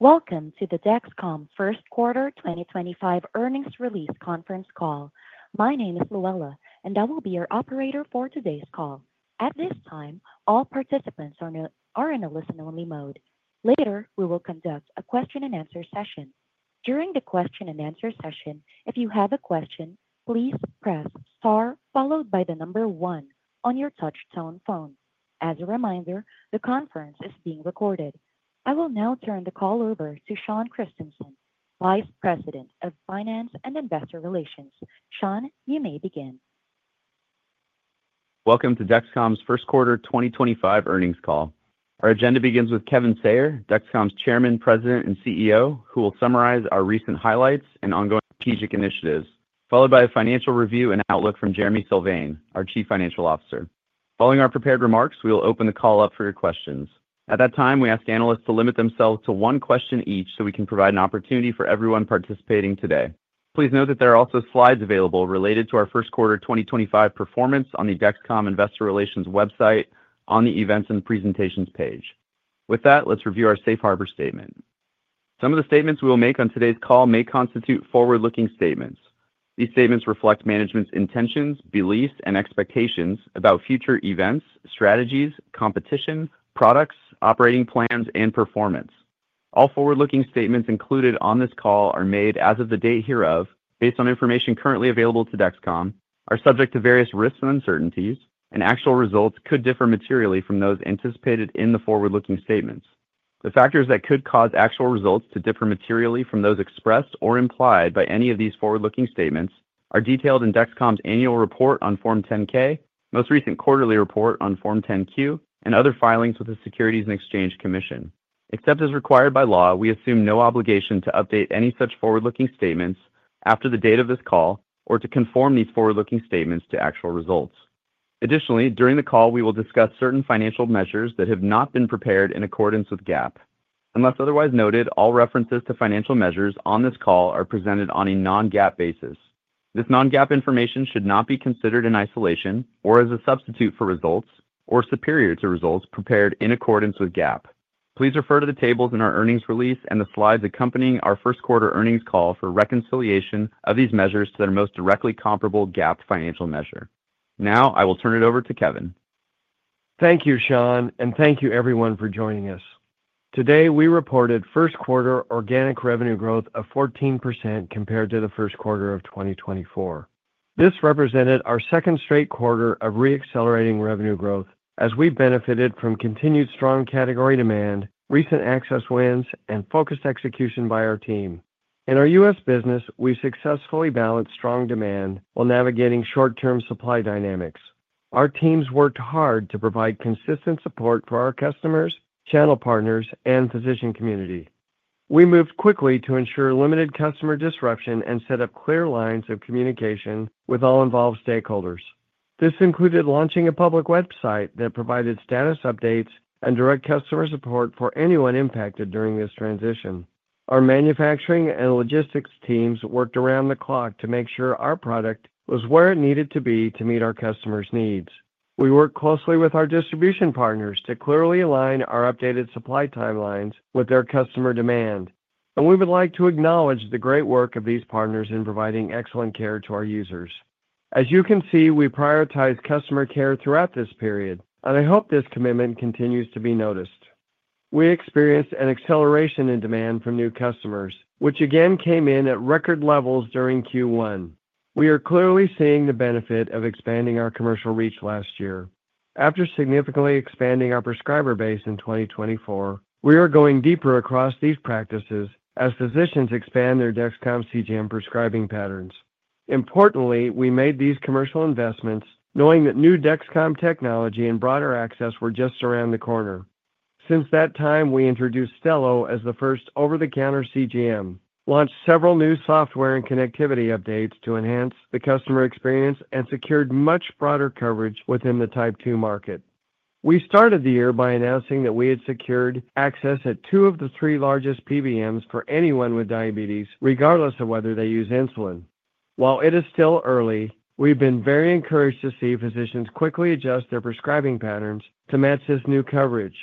Welcome to the Dexcom first quarter 2025 earnings release conference call. My name is Luella, and I will be your operator for today's call. At this time, all participants are in a listen-only mode. Later, we will conduct a question-and-answer session. During the question-and-answer session, if you have a question, please press star followed by the number one on your Touchtone phone. As a reminder, the conference is being recorded. I will now turn the call over to Sean Christensen, Vice President of Finance and Investor Relations. Sean, you may begin. Welcome to Dexcom's First Quarter 2025 Earnings Call. Our agenda begins with Kevin Sayer, Dexcom's Chairman, President, and CEO, who will summarize our recent highlights and ongoing strategic initiatives, followed by a financial review and outlook from Jereme Sylvain, our Chief Financial Officer. Following our prepared remarks, we will open the call up for your questions. At that time, we ask Analysts to limit themselves to one question each so we can provide an opportunity for everyone participating today. Please note that there are also slides available related to our First Quarter 2025 performance on the Dexcom Investor Relations website on the Events and Presentations page. With that, let's review our Safe Harbor Statement. Some of the statements we will make on today's call may constitute forward-looking statements. These statements reflect management's intentions, beliefs, and expectations about future events, strategies, competition, products, operating plans, and performance. All forward-looking statements included on this call are made, as of the date hereof, based on information currently available to Dexcom, are subject to various risks and uncertainties, and actual results could differ materially from those anticipated in the forward-looking statements. The factors that could cause actual results to differ materially from those expressed or implied by any of these forward-looking statements are detailed in Dexcom's annual report on Form 10-K, most recent quarterly report on Form 10-Q, and other filings with the Securities and Exchange Commission. Except as required by law, we assume no obligation to update any such forward-looking statements after the date of this call or to conform these forward-looking statements to actual results. Additionally, during the call, we will discuss certain financial measures that have not been prepared in accordance with GAAP. Unless otherwise noted, all references to financial measures on this call are presented on a non-GAAP basis. This non-GAAP information should not be considered in isolation or as a substitute for results or superior to results prepared in accordance with GAAP. Please refer to the tables in our earnings release and the slides accompanying our First Quarter Earnings Call for reconciliation of these measures to their most directly comparable GAAP financial measure. Now, I will turn it over to Kevin. Thank you, Sean, and thank you, everyone, for joining us. Today, we reported first quarter organic revenue growth of 14% compared to the first quarter of 2024. This represented our second straight quarter of re-accelerating revenue growth as we benefited from continued strong category demand, recent access wins, and focused execution by our team. In our U.S. business, we successfully balanced strong demand while navigating short-term supply dynamics. Our teams worked hard to provide consistent support for our customers, channel partners, and physician community. We moved quickly to ensure limited customer disruption and set up clear lines of communication with all involved stakeholders. This included launching a public website that provided status updates and direct customer support for anyone impacted during this transition. Our manufacturing and logistics teams worked around the clock to make sure our product was where it needed to be to meet our customers' needs. We worked closely with our distribution partners to clearly align our updated supply timelines with their customer demand, and we would like to acknowledge the great work of these partners in providing excellent care to our users. As you can see, we prioritized customer care throughout this period, and I hope this commitment continues to be noticed. We experienced an acceleration in demand from new customers, which again came in at record levels during Q1. We are clearly seeing the benefit of expanding our commercial reach last year. After significantly expanding our prescriber base in 2024, we are going deeper across these practices as physicians expand their Dexcom CGM prescribing patterns. Importantly, we made these commercial investments knowing that new Dexcom technology and broader access were just around the corner. Since that time, we introduced Stelo as the first over-the-counter CGM, launched several new software and connectivity updates to enhance the customer experience, and secured much broader coverage within the Type 2 market. We started the year by announcing that we had secured access at two of the three largest PBMs for anyone with diabetes, regardless of whether they use insulin. While it is still early, we've been very encouraged to see physicians quickly adjust their prescribing patterns to match this new coverage.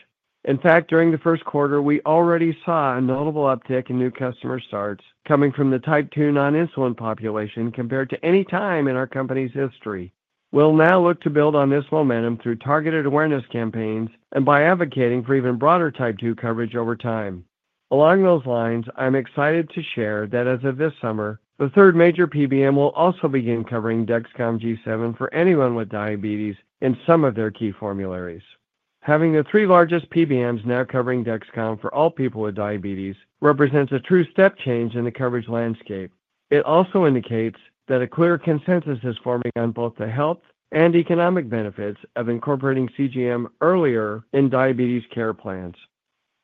In fact, during the first quarter, we already saw a notable uptick in new customer starts coming from the Type 2 non-insulin population compared to any time in our company's history. We'll now look to build on this momentum through targeted awareness campaigns and by advocating for even broader Type 2 coverage over time. Along those lines, I'm excited to share that as of this summer, the third major PBM will also begin covering Dexcom G7 for anyone with diabetes in some of their key formularies. Having the three largest PBMs now covering Dexcom for all people with diabetes represents a true step change in the coverage landscape. It also indicates that a clear consensus is forming on both the health and economic benefits of incorporating CGM earlier in diabetes care plans.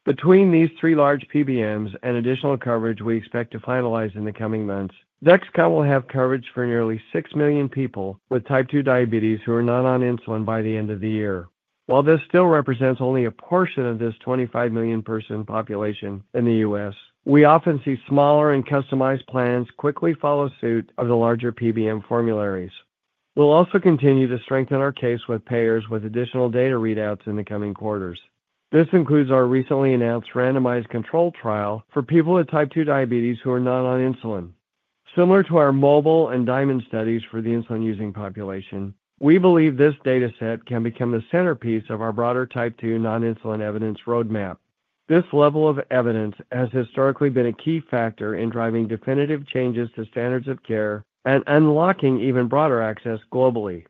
Between these three large PBMs and additional coverage we expect to finalize in the coming months, Dexcom will have coverage for nearly 6 million people with Type 2 diabetes who are not on insulin by the end of the year. While this still represents only a portion of this 25 million person population in the U.S., we often see smaller and customized plans quickly follow suit of the larger PBM formularies. We'll also continue to strengthen our case with payers with additional data readouts in the coming quarters. This includes our recently announced randomized control trial for people with Type 2 diabetes who are not on insulin. Similar to our MOBLE and DIAMOND studies for the insulin-using population, we believe this data set can become the centerpiece of our broader Type 2 non-insulin evidence roadmap. This level of evidence has historically been a key factor in driving definitive changes to standards of care and unlocking even broader access globally.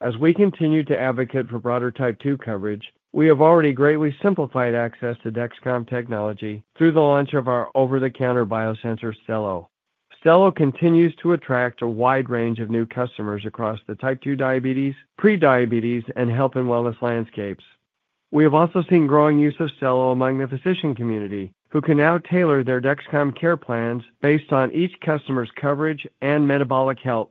As we continue to advocate for broader Type 2 coverage, we have already greatly simplified access to Dexcom technology through the launch of our over-the-counter biosensor Stelo. Stelo continues to attract a wide range of new customers across the Type 2 diabetes, pre-diabetes, and health and wellness landscapes. We have also seen growing use of Stelo among the physician community, who can now tailor their Dexcom care plans based on each customer's coverage and metabolic health.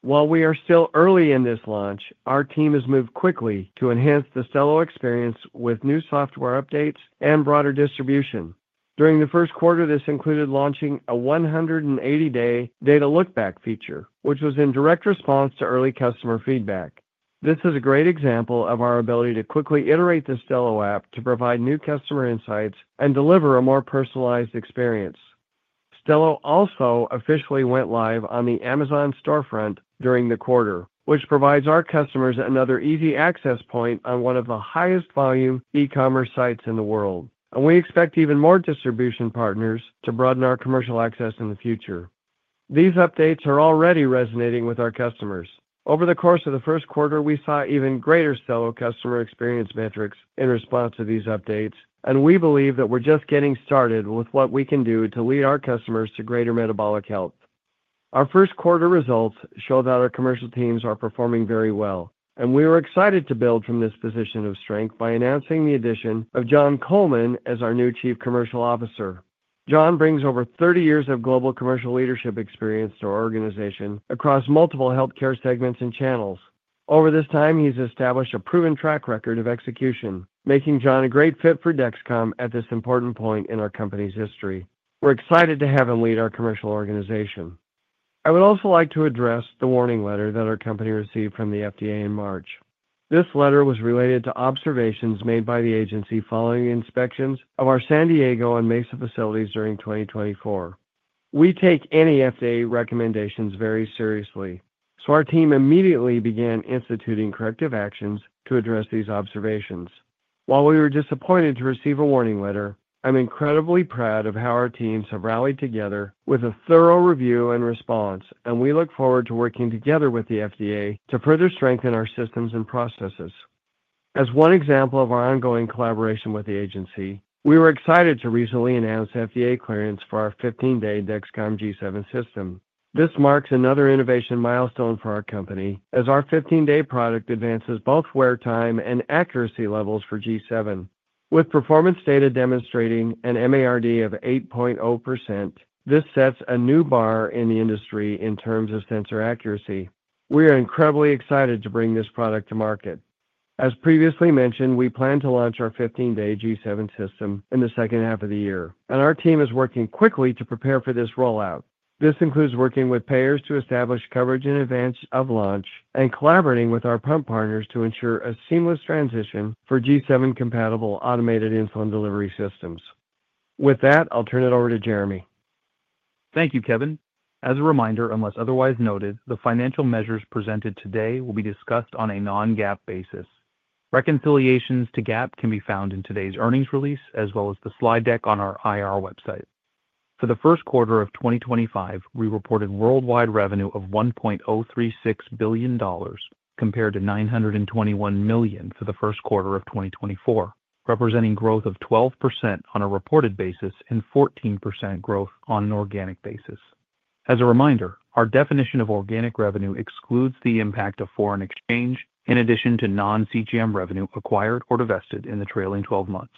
While we are still early in this launch, our team has moved quickly to enhance the Stelo experience with new software updates and broader distribution. During the first quarter, this included launching a 180-day data lookback feature, which was in direct response to early customer feedback. This is a great example of our ability to quickly iterate the Stelo app to provide new customer insights and deliver a more personalized experience. Stelo also officially went live on the Amazon storefront during the quarter, which provides our customers another easy access point on one of the highest volume e-commerce sites in the world, and we expect even more distribution partners to broaden our commercial access in the future. These updates are already resonating with our customers. Over the course of the first quarter, we saw even greater Stelo customer experience metrics in response to these updates, and we believe that we're just getting started with what we can do to lead our customers to greater metabolic health. Our first quarter results show that our commercial teams are performing very well, and we were excited to build from this position of strength by announcing the addition of Jon Coleman as our new Chief Commercial Officer. Jon brings over 30 years of global commercial leadership experience to our organization across multiple healthcare segments and channels. Over this time, he's established a proven track record of execution, making Jon a great fit for Dexcom at this important point in our company's history. We're excited to have him lead our commercial organization. I would also like to address the warning letter that our company received from the FDA in March. This letter was related to observations made by the agency following the inspections of our San Diego and Mesa facilities during 2024. We take any FDA recommendations very seriously, so our team immediately began instituting corrective actions to address these observations. While we were disappointed to receive a warning letter, I'm incredibly proud of how our teams have rallied together with a thorough review and response, and we look forward to working together with the FDA to further strengthen our systems and processes. As one example of our ongoing collaboration with the agency, we were excited to recently announce FDA clearance for our 15-day Dexcom G7 system. This marks another innovation milestone for our company, as our 15-day product advances both wear time and accuracy levels for G7. With performance data demonstrating an MARD of 8.0%, this sets a new bar in the industry in terms of sensor accuracy. We are incredibly excited to bring this product to market. As previously mentioned, we plan to launch our 15-day G7 system in the second half of the year, and our team is working quickly to prepare for this rollout. This includes working with payers to establish coverage in advance of launch and collaborating with our pump partners to ensure a seamless transition for G7-compatible automated insulin delivery systems. With that, I'll turn it over to Jereme. Thank you, Kevin. As a reminder, unless otherwise noted, the financial measures presented today will be discussed on a non-GAAP basis. Reconciliations to GAAP can be found in today's earnings release as well as the slide deck on our IR website. For the first quarter of 2025, we reported worldwide revenue of $1.036 billion compared to $921 million for the first quarter of 2024, representing growth of 12% on a reported basis and 14% growth on an organic basis. As a reminder, our definition of organic revenue excludes the impact of foreign exchange in addition to non-CGM revenue acquired or divested in the trailing 12 months.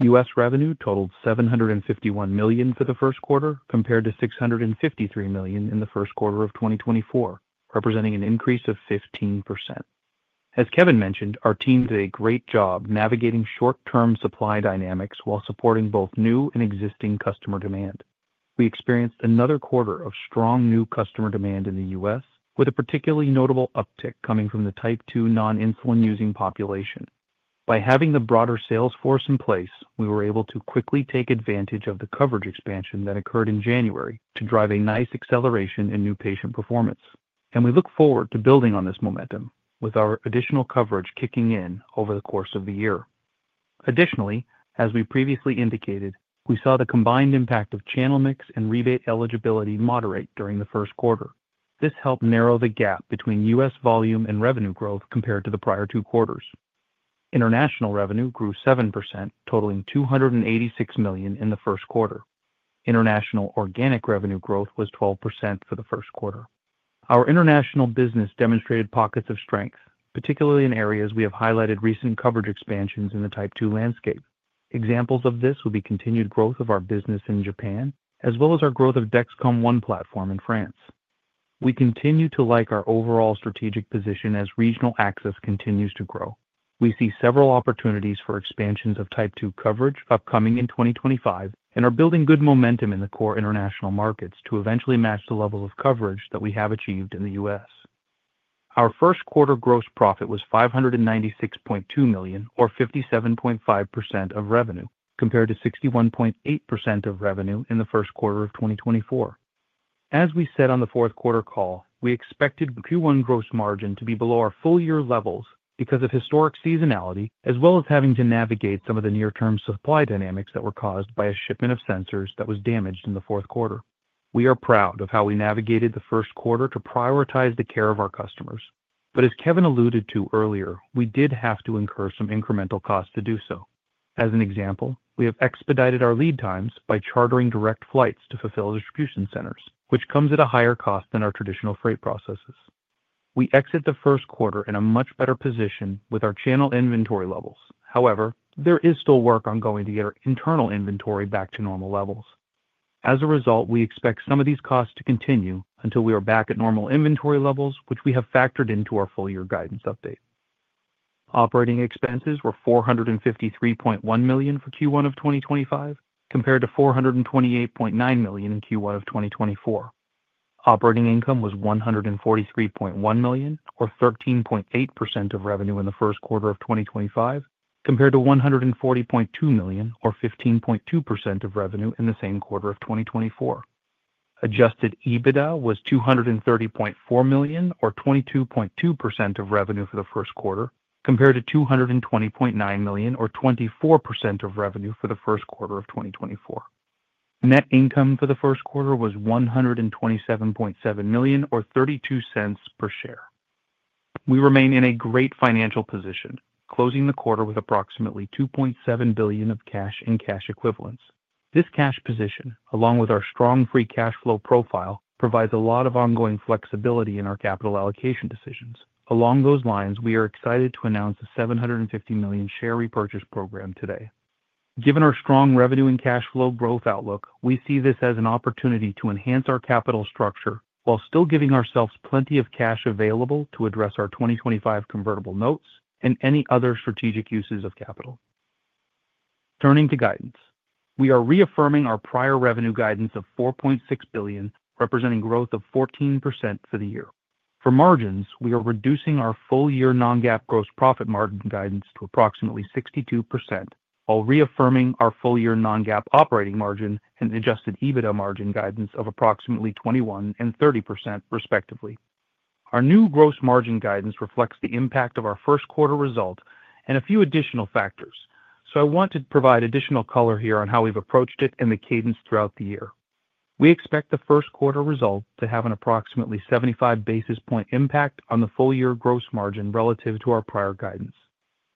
U.S. revenue totaled $751 million for the first quarter compared to $653 million in the first quarter of 2024, representing an increase of 15%. As Kevin mentioned, our team did a great job navigating short-term supply dynamics while supporting both new and existing customer demand. We experienced another quarter of strong new customer demand in the U.S., with a particularly notable uptick coming from the Type 2 non-insulin-using population. By having the broader sales force in place, we were able to quickly take advantage of the coverage expansion that occurred in January to drive a nice acceleration in new patient performance, and we look forward to building on this momentum with our additional coverage kicking in over the course of the year. Additionally, as we previously indicated, we saw the combined impact of channel mix and rebate eligibility moderate during the first quarter. This helped narrow the gap between U.S. volume and revenue growth compared to the prior two quarters. International revenue grew 7%, totaling $286 million in the first quarter. International organic revenue growth was 12% for the first quarter. Our international business demonstrated pockets of strength, particularly in areas we have highlighted recent coverage expansions in the Type 2 landscape. Examples of this will be continued growth of our business in Japan, as well as our growth of Dexcom One platform in France. We continue to like our overall strategic position as regional access continues to grow. We see several opportunities for expansions of Type 2 coverage upcoming in 2025 and are building good momentum in the core international markets to eventually match the level of coverage that we have achieved in the U.S. Our first quarter gross profit was $596.2 million, or 57.5% of revenue, compared to 61.8% of revenue in the first quarter of 2024. As we said on the fourth quarter call, we expected Q1 gross margin to be below our full-year levels because of historic seasonality, as well as having to navigate some of the near-term supply dynamics that were caused by a shipment of sensors that was damaged in the fourth quarter. We are proud of how we navigated the first quarter to prioritize the care of our customers, but as Kevin alluded to earlier, we did have to incur some incremental costs to do so. As an example, we have expedited our lead times by chartering direct flights to fulfill distribution centers, which comes at a higher cost than our traditional freight processes. We exit the first quarter in a much better position with our channel inventory levels. However, there is still work ongoing to get our internal inventory back to normal levels. As a result, we expect some of these costs to continue until we are back at normal inventory levels, which we have factored into our full-year guidance update. Operating expenses were $453.1 million for Q1 of 2025, compared to $428.9 million in Q1 of 2024. Operating income was $143.1 million, or 13.8% of revenue in the first quarter of 2025, compared to $140.2 million, or 15.2% of revenue in the same quarter of 2024. Adjusted EBITDA was $230.4 million, or 22.2% of revenue for the first quarter, compared to $220.9 million, or 24% of revenue for the first quarter of 2024. Net income for the first quarter was $127.7 million, or $0.32 per share. We remain in a great financial position, closing the quarter with approximately $2.7 billion of cash in cash equivalents. This cash position, along with our strong free cash flow profile, provides a lot of ongoing flexibility in our capital allocation decisions. Along those lines, we are excited to announce a $750 million share repurchase program today. Given our strong revenue and cash flow growth outlook, we see this as an opportunity to enhance our capital structure while still giving ourselves plenty of cash available to address our 2025 convertible notes and any other strategic uses of capital. Turning to guidance, we are reaffirming our prior revenue guidance of $4.6 billion, representing growth of 14% for the year. For margins, we are reducing our full-year non-GAAP gross profit margin guidance to approximately 62%, while reaffirming our full-year non-GAAP operating margin and Adjusted EBITDA margin guidance of approximately 21% and 30%, respectively. Our new gross margin guidance reflects the impact of our first quarter result and a few additional factors, so I want to provide additional color here on how we've approached it and the cadence throughout the year. We expect the first quarter result to have an approximately 75 basis point impact on the full-year gross margin relative to our prior guidance.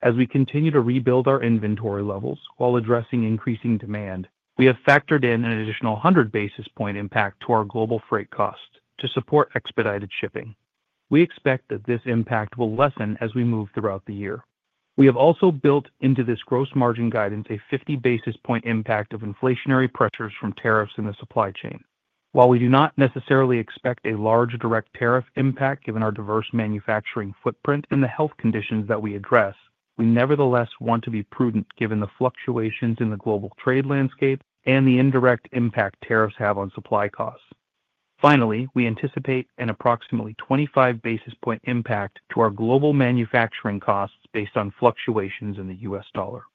As we continue to rebuild our inventory levels while addressing increasing demand, we have factored in an additional 100 basis point impact to our global freight cost to support expedited shipping. We expect that this impact will lessen as we move throughout the year. We have also built into this gross margin guidance a 50 basis point impact of inflationary pressures from tariffs in the supply chain. While we do not necessarily expect a large direct tariff impact given our diverse manufacturing footprint and the health conditions that we address, we nevertheless want to be prudent given the fluctuations in the global trade landscape and the indirect impact tariffs have on supply costs. Finally, we anticipate an approximately 25 basis point impact to our global manufacturing costs based on fluctuations in the U.S. dollar.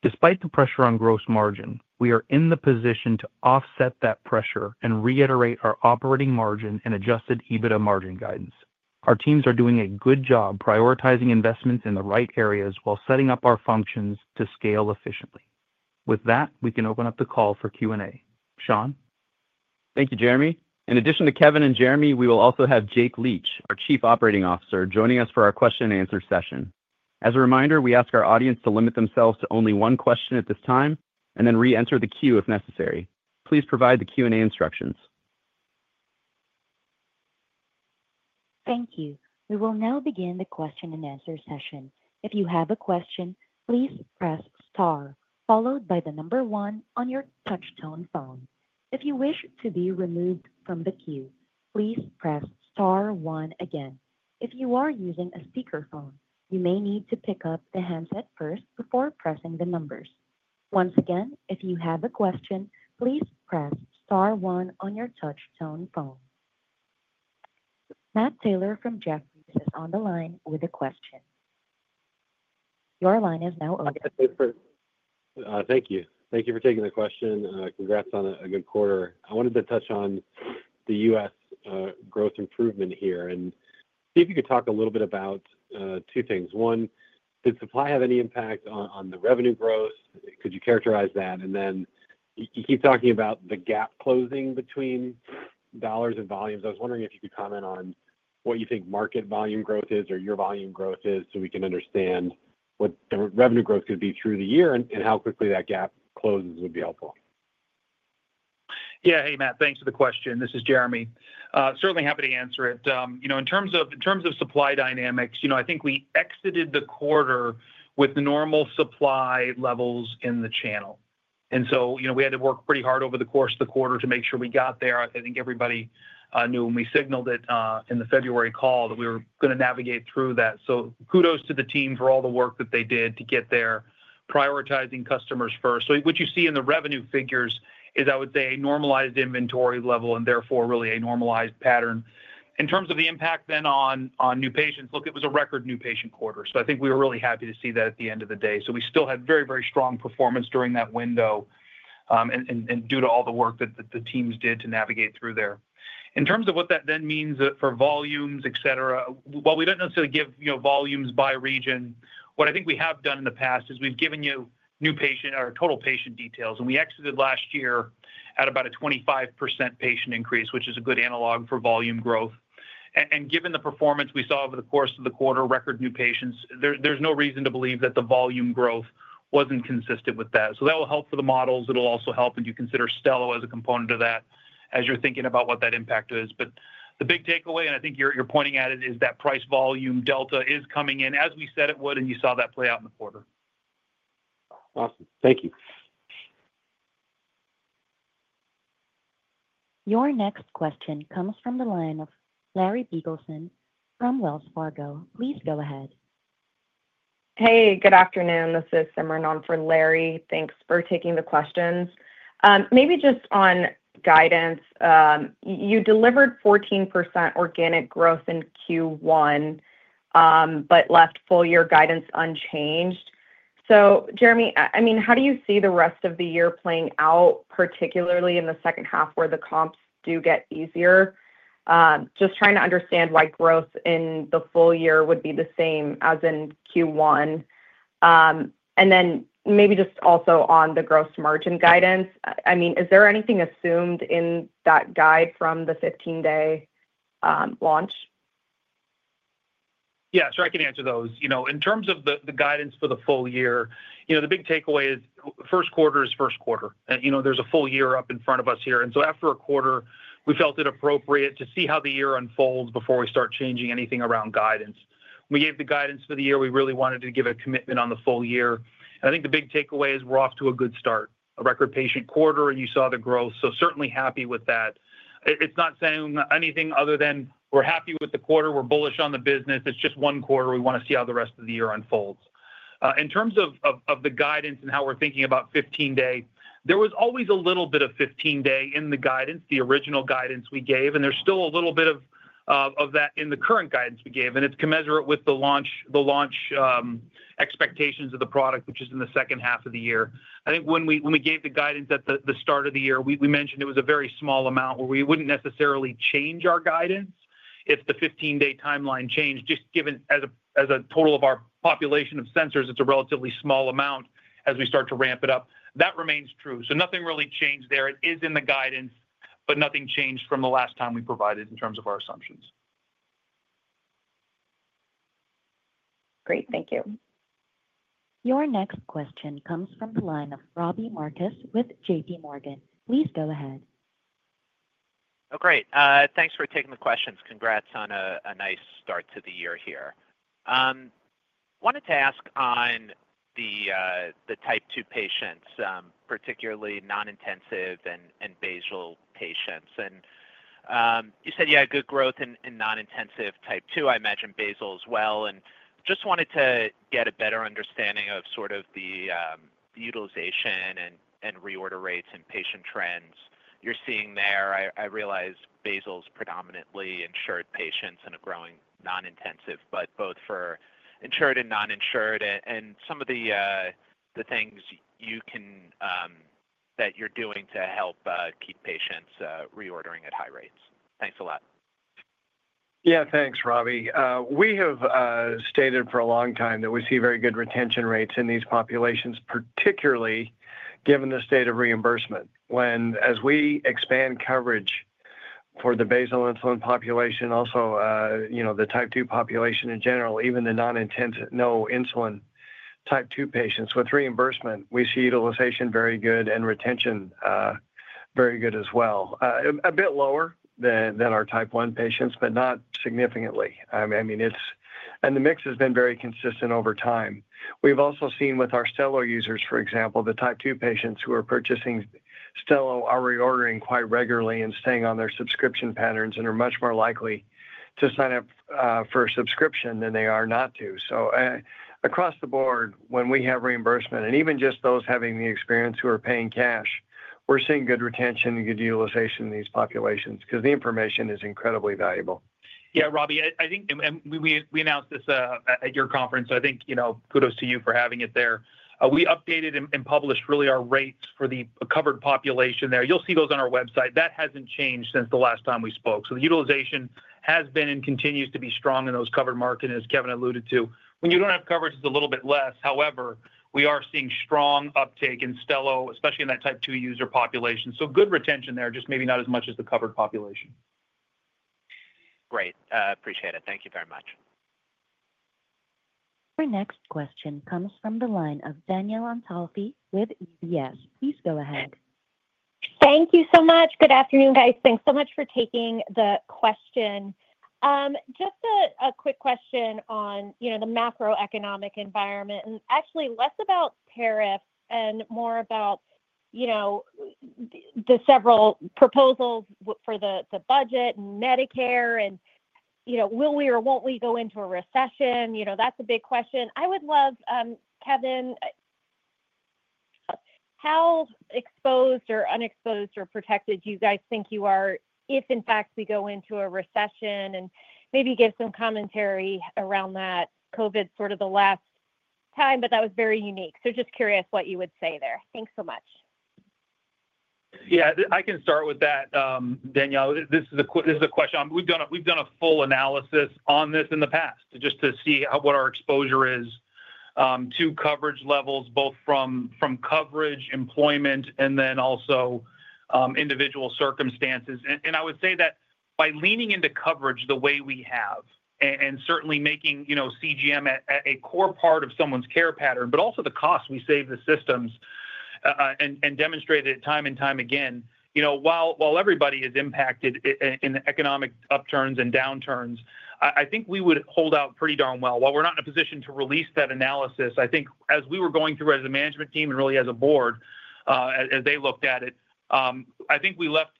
Despite the pressure on gross margin, we are in the position to offset that pressure and reiterate our operating margin and Adjusted EBITDA margin guidance. Our teams are doing a good job prioritizing investments in the right areas while setting up our functions to scale efficiently. With that, we can open up the call for Q&A. Sean? Thank you, Jereme. In addition to Kevin and Jereme, we will also have Jake Leach, our Chief Operating Officer, joining us for our question-and-answer session. As a reminder, we ask our audience to limit themselves to only one question at this time and then re-enter the queue if necessary. Please provide the Q&A instructions. Thank you. We will now begin the question-and-answer session. If you have a question, please press star, followed by the number one on your Touchtone phone. If you wish to be removed from the queue, please press star one again. If you are using a speakerphone, you may need to pick up the handset first before pressing the numbers. Once again, if you have a question, please press star one on your Touchtone phone. Matt Taylor from Jefferies is on the line with a question. Your line is now open. Okay, perfect. Thank you. Thank you for taking the question. Congrats on a good quarter. I wanted to touch on the U.S. growth improvement here and see if you could talk a little bit about two things. One, did supply have any impact on the revenue growth? Could you characterize that? You keep talking about the gap closing between dollars and volumes. I was wondering if you could comment on what you think market volume growth is or your volume growth is so we can understand what revenue growth could be through the year and how quickly that gap closes would be helpful. Yeah, hey, Matt, thanks for the question. This is Jereme. Certainly happy to answer it. In terms of supply dynamics, I think we exited the quarter with normal supply levels in the channel. We had to work pretty hard over the course of the quarter to make sure we got there. I think everybody knew when we signaled it in the February call that we were going to navigate through that. Kudos to the team for all the work that they did to get there, prioritizing customers first. What you see in the revenue figures is, I would say, a normalized inventory level and therefore really a normalized pattern. In terms of the impact then on new patients, look, it was a record new patient quarter. I think we were really happy to see that at the end of the day. We still had very, very strong performance during that window and due to all the work that the teams did to navigate through there. In terms of what that then means for volumes, et cetera, while we do not necessarily give volumes by region, what I think we have done in the past is we have given you new patient or total patient details. We exited last year at about a 25% patient increase, which is a good analog for volume growth. Given the performance we saw over the course of the quarter, record new patients, there is no reason to believe that the volume growth was not consistent with that. That will help for the models. It will also help when you consider Stelo as a component of that as you are thinking about what that impact is. The big takeaway, and I think you're pointing at it, is that price-volume delta is coming in, as we said it would, and you saw that play out in the quarter. Awesome. Thank you. Your next question comes from the line of Larry Beagleson from Wells Fargo. Please go ahead. Hey, good afternoon. This is Simran on for Larry. Thanks for taking the questions. Maybe just on guidance, you delivered 14% organic growth in Q1, but left full-year guidance unchanged. Jereme, I mean, how do you see the rest of the year playing out, particularly in the second half where the comps do get easier? Just trying to understand why growth in the full year would be the same as in Q1. Maybe just also on the gross margin guidance, I mean, is there anything assumed in that guide from the 15-day launch? Yeah, sure, I can answer those. In terms of the guidance for the full year, the big takeaway is first quarter is first quarter. There is a full year up in front of us here. After a quarter, we felt it appropriate to see how the year unfolds before we start changing anything around guidance. We gave the guidance for the year. We really wanted to give a commitment on the full year. I think the big takeaway is we are off to a good start, a record patient quarter, and you saw the growth. Certainly happy with that. It is not saying anything other than we are happy with the quarter. We are bullish on the business. It is just one quarter. We want to see how the rest of the year unfolds. In terms of the guidance and how we're thinking about 15-day, there was always a little bit of 15-day in the guidance, the original guidance we gave, and there's still a little bit of that in the current guidance we gave. It is commensurate with the launch expectations of the product, which is in the second half of the year. I think when we gave the guidance at the start of the year, we mentioned it was a very small amount where we wouldn't necessarily change our guidance if the 15-day timeline changed. Just given as a total of our population of sensors, it's a relatively small amount as we start to ramp it up. That remains true. Nothing really changed there. It is in the guidance, but nothing changed from the last time we provided in terms of our assumptions. Great. Thank you. Your next question comes from the line of Robbie Marcus with JPMorgan. Please go ahead. Oh, great. Thanks for taking the questions. Congrats on a nice start to the year here. I wanted to ask on the Type 2 patients, particularly non-intensive and basal patients. You said you had good growth in non-intensive Type 2. I imagine basal as well. I just wanted to get a better understanding of sort of the utilization and reorder rates and patient trends you're seeing there. I realize basal is predominantly insured patients and a growing non-intensive, but both for insured and non-insured and some of the things that you're doing to help keep patients reordering at high rates. Thanks a lot. Yeah, thanks, Robbie. We have stated for a long time that we see very good retention rates in these populations, particularly given the state of reimbursement. When as we expand coverage for the basal insulin population, also the Type 2 population in general, even the non-intensive, no insulin Type 2 patients with reimbursement, we see utilization very good and retention very good as well. A bit lower than our Type 1 patients, but not significantly. I mean, and the mix has been very consistent over time. We've also seen with our Stelo users, for example, the Type 2 patients who are purchasing Stelo are reordering quite regularly and staying on their subscription patterns and are much more likely to sign up for a subscription than they are not to. Across the board, when we have reimbursement and even just those having the experience who are paying cash, we're seeing good retention and good utilization in these populations because the information is incredibly valuable. Yeah, Robbie, I think we announced this at your conference. I think kudos to you for having it there. We updated and published really our rates for the covered population there. You'll see those on our website. That hasn't changed since the last time we spoke. The utilization has been and continues to be strong in those covered markets, as Kevin alluded to. When you don't have coverage, it's a little bit less. However, we are seeing strong uptake in Stelo, especially in that Type 2 user population. Good retention there, just maybe not as much as the covered population. Great. Appreciate it. Thank you very much. Your next question comes from the line of Danielle Antalffy with UBS. Please go ahead. Thank you so much. Good afternoon, guys. Thanks so much for taking the question. Just a quick question on the macroeconomic environment and actually less about tariffs and more about the several proposals for the budget and Medicare and will we or won't we go into a recession. That's a big question. I would love, Kevin, how exposed or unexposed or protected you guys think you are if, in fact, we go into a recession and maybe give some commentary around that COVID sort of the last time, but that was very unique. Just curious what you would say there. Thanks so much. Yeah, I can start with that, Danielle. This is a question. We've done a full analysis on this in the past just to see what our exposure is to coverage levels, both from coverage, employment, and then also individual circumstances. I would say that by leaning into coverage the way we have and certainly making CGM a core part of someone's care pattern, but also the cost we save the systems and demonstrated it time and time again, while everybody is impacted in the economic upturns and downturns, I think we would hold out pretty darn well. While we're not in a position to release that analysis, I think as we were going through as a management team and really as a board, as they looked at it, I think we left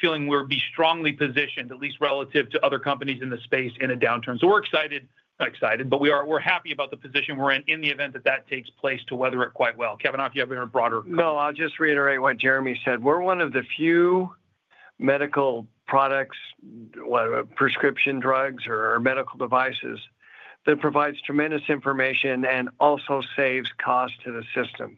feeling we would be strongly positioned, at least relative to other companies in the space, in a downturn. We're excited, not excited, but we're happy about the position we're in in the event that that takes place to weather it quite well. Kevin, off you have a broader question. No, I'll just reiterate what Jereme said. We're one of the few medical products, prescription drugs, or medical devices that provides tremendous information and also saves cost to the system.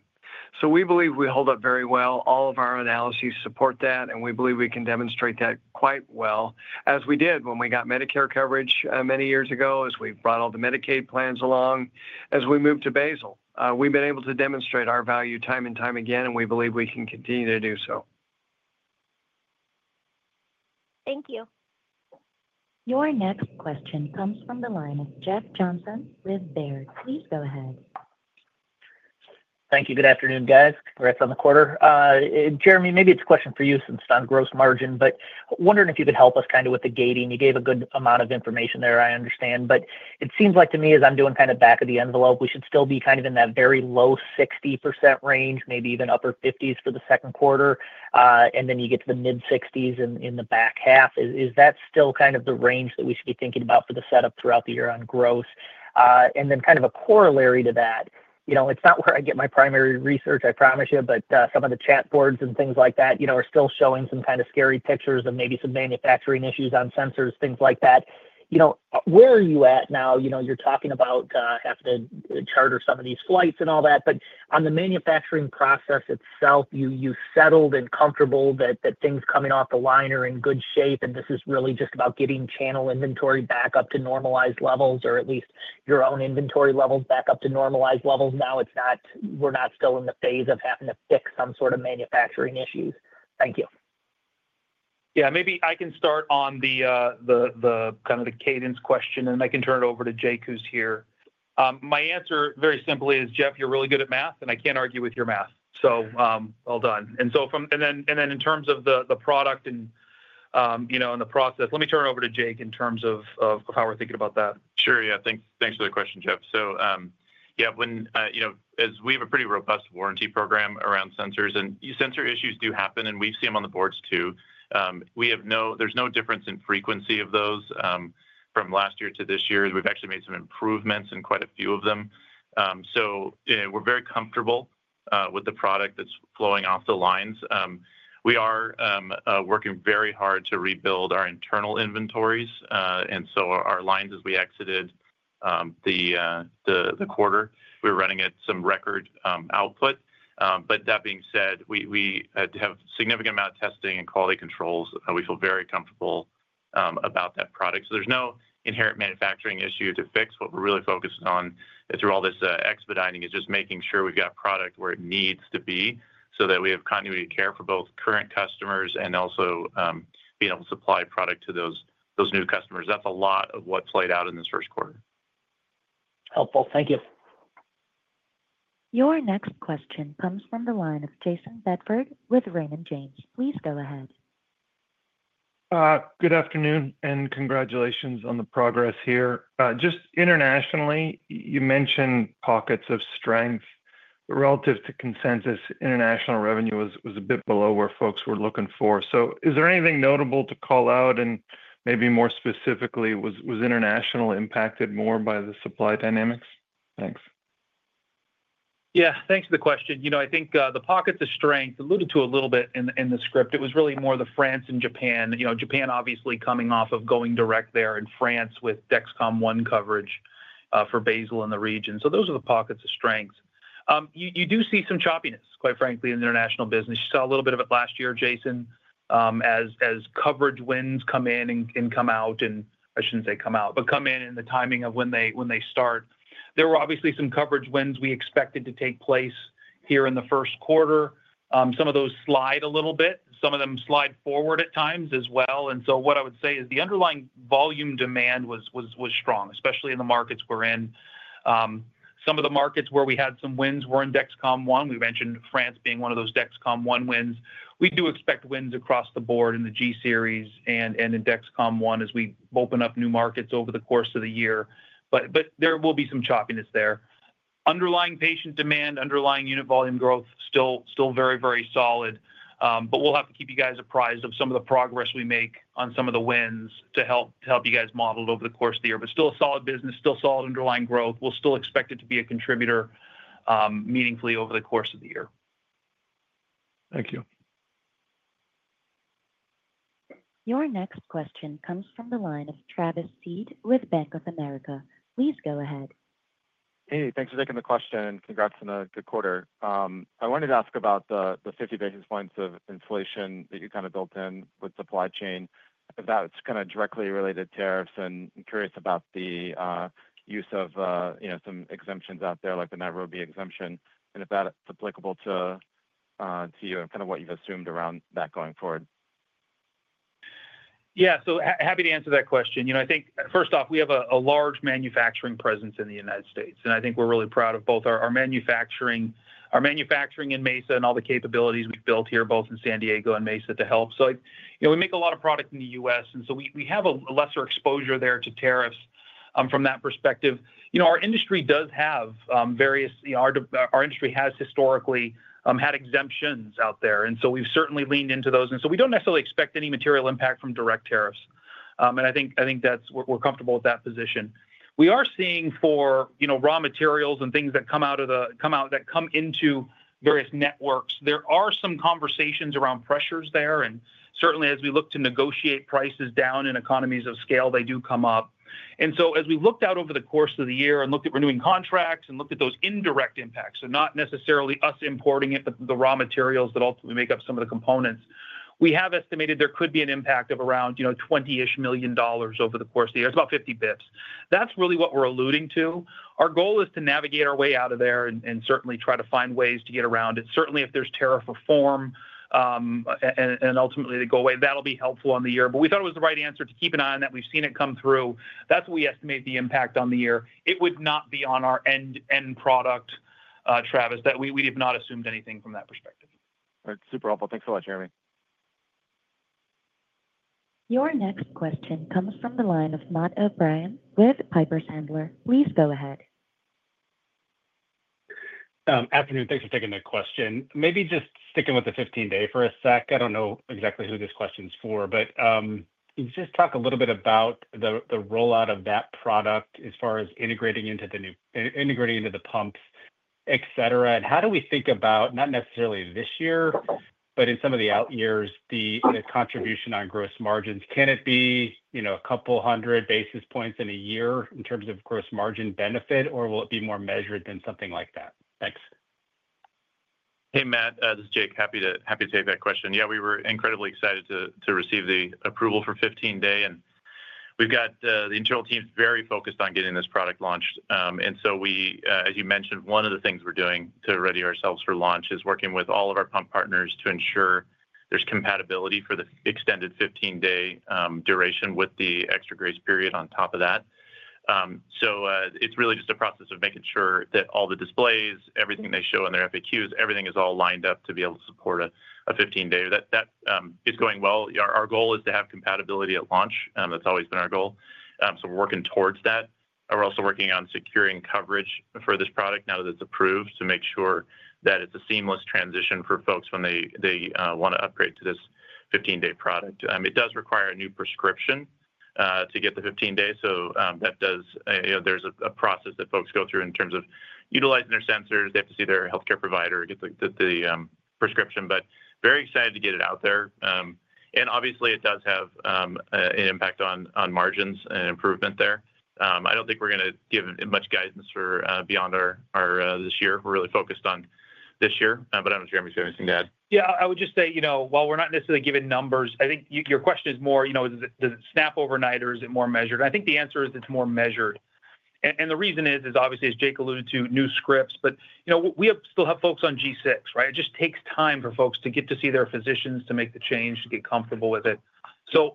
We believe we hold up very well. All of our analyses support that, and we believe we can demonstrate that quite well, as we did when we got Medicare coverage many years ago, as we brought all the Medicaid plans along, as we moved to basal. We've been able to demonstrate our value time and time again, and we believe we can continue to do so. Thank you. Your next question comes from the line of Jeff Johnson with Baird. Please go ahead. Thank you. Good afternoon, guys. Congrats on the quarter. Jereme, maybe it's a question for you since it's on gross margin, but wondering if you could help us kind of with the gating. You gave a good amount of information there, I understand. It seems like to me, as I'm doing kind of back of the envelope, we should still be kind of in that very low 60% range, maybe even upper 50s for the second quarter, and then you get to the mid-60s in the back half. Is that still kind of the range that we should be thinking about for the setup throughout the year on growth? A corollary to that, it's not where I get my primary research, I promise you, but some of the chat boards and things like that are still showing some kind of scary pictures of maybe some manufacturing issues on sensors, things like that. Where are you at now? You're talking about having to charter some of these flights and all that. On the manufacturing process itself, you settled and comfortable that things coming off the line are in good shape, and this is really just about getting channel inventory back up to normalized levels or at least your own inventory levels back up to normalized levels. Now we're not still in the phase of having to fix some sort of manufacturing issues. Thank you. Yeah, maybe I can start on the kind of the cadence question, and I can turn it over to Jake, who's here. My answer very simply is, Jeff, you're really good at math, and I can't argue with your math. So well done. In terms of the product and the process, let me turn it over to Jake in terms of how we're thinking about that. Sure, yeah. Thanks for the question, Jeff. As we have a pretty robust warranty program around sensors, and sensor issues do happen, and we've seen them on the boards too. There's no difference in frequency of those from last year to this year. We've actually made some improvements in quite a few of them. We are very comfortable with the product that's flowing off the lines. We are working very hard to rebuild our internal inventories. Our lines, as we exited the quarter, were running at some record output. That being said, we have a significant amount of testing and quality controls. We feel very comfortable about that product. There's no inherent manufacturing issue to fix. What we're really focused on through all this expediting is just making sure we've got product where it needs to be so that we have continuity of care for both current customers and also being able to supply product to those new customers. That's a lot of what played out in this first quarter. Helpful. Thank you. Your next question comes from the line of Jayson Bedford with Raymond James. Please go ahead. Good afternoon, and congratulations on the progress here. Just internationally, you mentioned pockets of strength. Relative to consensus, international revenue was a bit below where folks were looking for. Is there anything notable to call out? Maybe more specifically, was international impacted more by the supply dynamics? Thanks. Yeah, thanks for the question. I think the pockets of strength alluded to a little bit in the script. It was really more the France and Japan. Japan, obviously, coming off of going direct there and France with Dexcom One coverage for basal in the region. Those are the pockets of strength. You do see some choppiness, quite frankly, in the international business. You saw a little bit of it last year, Jason, as coverage winds come in and come out. I shouldn't say come out, but come in in the timing of when they start. There were obviously some coverage winds we expected to take place here in the first quarter. Some of those slide a little bit. Some of them slide forward at times as well. What I would say is the underlying volume demand was strong, especially in the markets we're in. Some of the markets where we had some wins were in Dexcom One. We mentioned France being one of those Dexcom One wins. We do expect wins across the board in the G series and in Dexcom One as we open up new markets over the course of the year. There will be some choppiness there. Underlying patient demand, underlying unit volume growth, still very, very solid. We will have to keep you guys apprised of some of the progress we make on some of the wins to help you guys model it over the course of the year. Still a solid business, still solid underlying growth. We still expect it to be a contributor meaningfully over the course of the year. Thank you. Your next question comes from the line of Travis Steed with Bank of America. Please go ahead. Hey, thanks for taking the question. Congrats on a good quarter. I wanted to ask about the 50 basis points of inflation that you kind of built in with supply chain, if that's kind of directly related to tariffs. I'm curious about the use of some exemptions out there, like the Nairobi exemption. If that's applicable to you and kind of what you've assumed around that going forward. Yeah, so happy to answer that question. I think, first off, we have a large manufacturing presence in the United States. I think we're really proud of both our manufacturing in Mesa and all the capabilities we've built here, both in San Diego and Mesa to help. We make a lot of product in the U.S.. We have a lesser exposure there to tariffs from that perspective. Our industry does have various, our industry has historically had exemptions out there. We've certainly leaned into those. We don't necessarily expect any material impact from direct tariffs. I think we're comfortable with that position. We are seeing for raw materials and things that come out of the, that come into various networks, there are some conversations around pressures there. Certainly, as we look to negotiate prices down in economies of scale, they do come up. As we looked out over the course of the year and looked at renewing contracts and looked at those indirect impacts, not necessarily us importing it, but the raw materials that ultimately make up some of the components, we have estimated there could be an impact of around $20 million over the course of the year. It is about 50 basis points. That is really what we are alluding to. Our goal is to navigate our way out of there and certainly try to find ways to get around it. Certainly, if there is tariff reform and ultimately they go away, that will be helpful on the year. We thought it was the right answer to keep an eye on that. We have seen it come through. That's what we estimate the impact on the year. It would not be on our end product, Travis, that we have not assumed anything from that perspective. All right. Super helpful. Thanks a lot, Jereme. Your next question comes from the line of Matt O'Brien with Piper Sandler. Please go ahead. Afternoon. Thanks for taking the question. Maybe just sticking with the 15-day for a sec. I do not know exactly who this question is for, but just talk a little bit about the rollout of that product as far as integrating into the new integrating into the pumps, etc. How do we think about, not necessarily this year, but in some of the out years, the contribution on gross margins? Can it be a couple hundred basis points in a year in terms of gross margin benefit, or will it be more measured than something like that? Thanks. Hey, Matt. This is Jake. Happy to take that question. Yeah, we were incredibly excited to receive the approval for 15-day. We have got the internal team very focused on getting this product launched. As you mentioned, one of the things we're doing to ready ourselves for launch is working with all of our pump partners to ensure there's compatibility for the extended 15-day duration with the extra grace period on top of that. It is really just a process of making sure that all the displays, everything they show in their FAQs, everything is all lined up to be able to support a 15-day. That is going well. Our goal is to have compatibility at launch. That's always been our goal. We're working towards that. We're also working on securing coverage for this product now that it's approved to make sure that it's a seamless transition for folks when they want to upgrade to this 15-day product. It does require a new prescription to get the 15-day. There is a process that folks go through in terms of utilizing their sensors. They have to see their healthcare provider, get the prescription. Very excited to get it out there. Obviously, it does have an impact on margins and improvement there. I do not think we are going to give much guidance for beyond this year. We are really focused on this year. I do not know, Jereme, if you have anything to add. Yeah, I would just say, while we're not necessarily giving numbers, I think your question is more, does it snap overnight, or is it more measured? I think the answer is it's more measured. The reason is, obviously, as Jake alluded to, new scripts. We still have folks on G6, right? It just takes time for folks to get to see their physicians, to make the change, to get comfortable with it.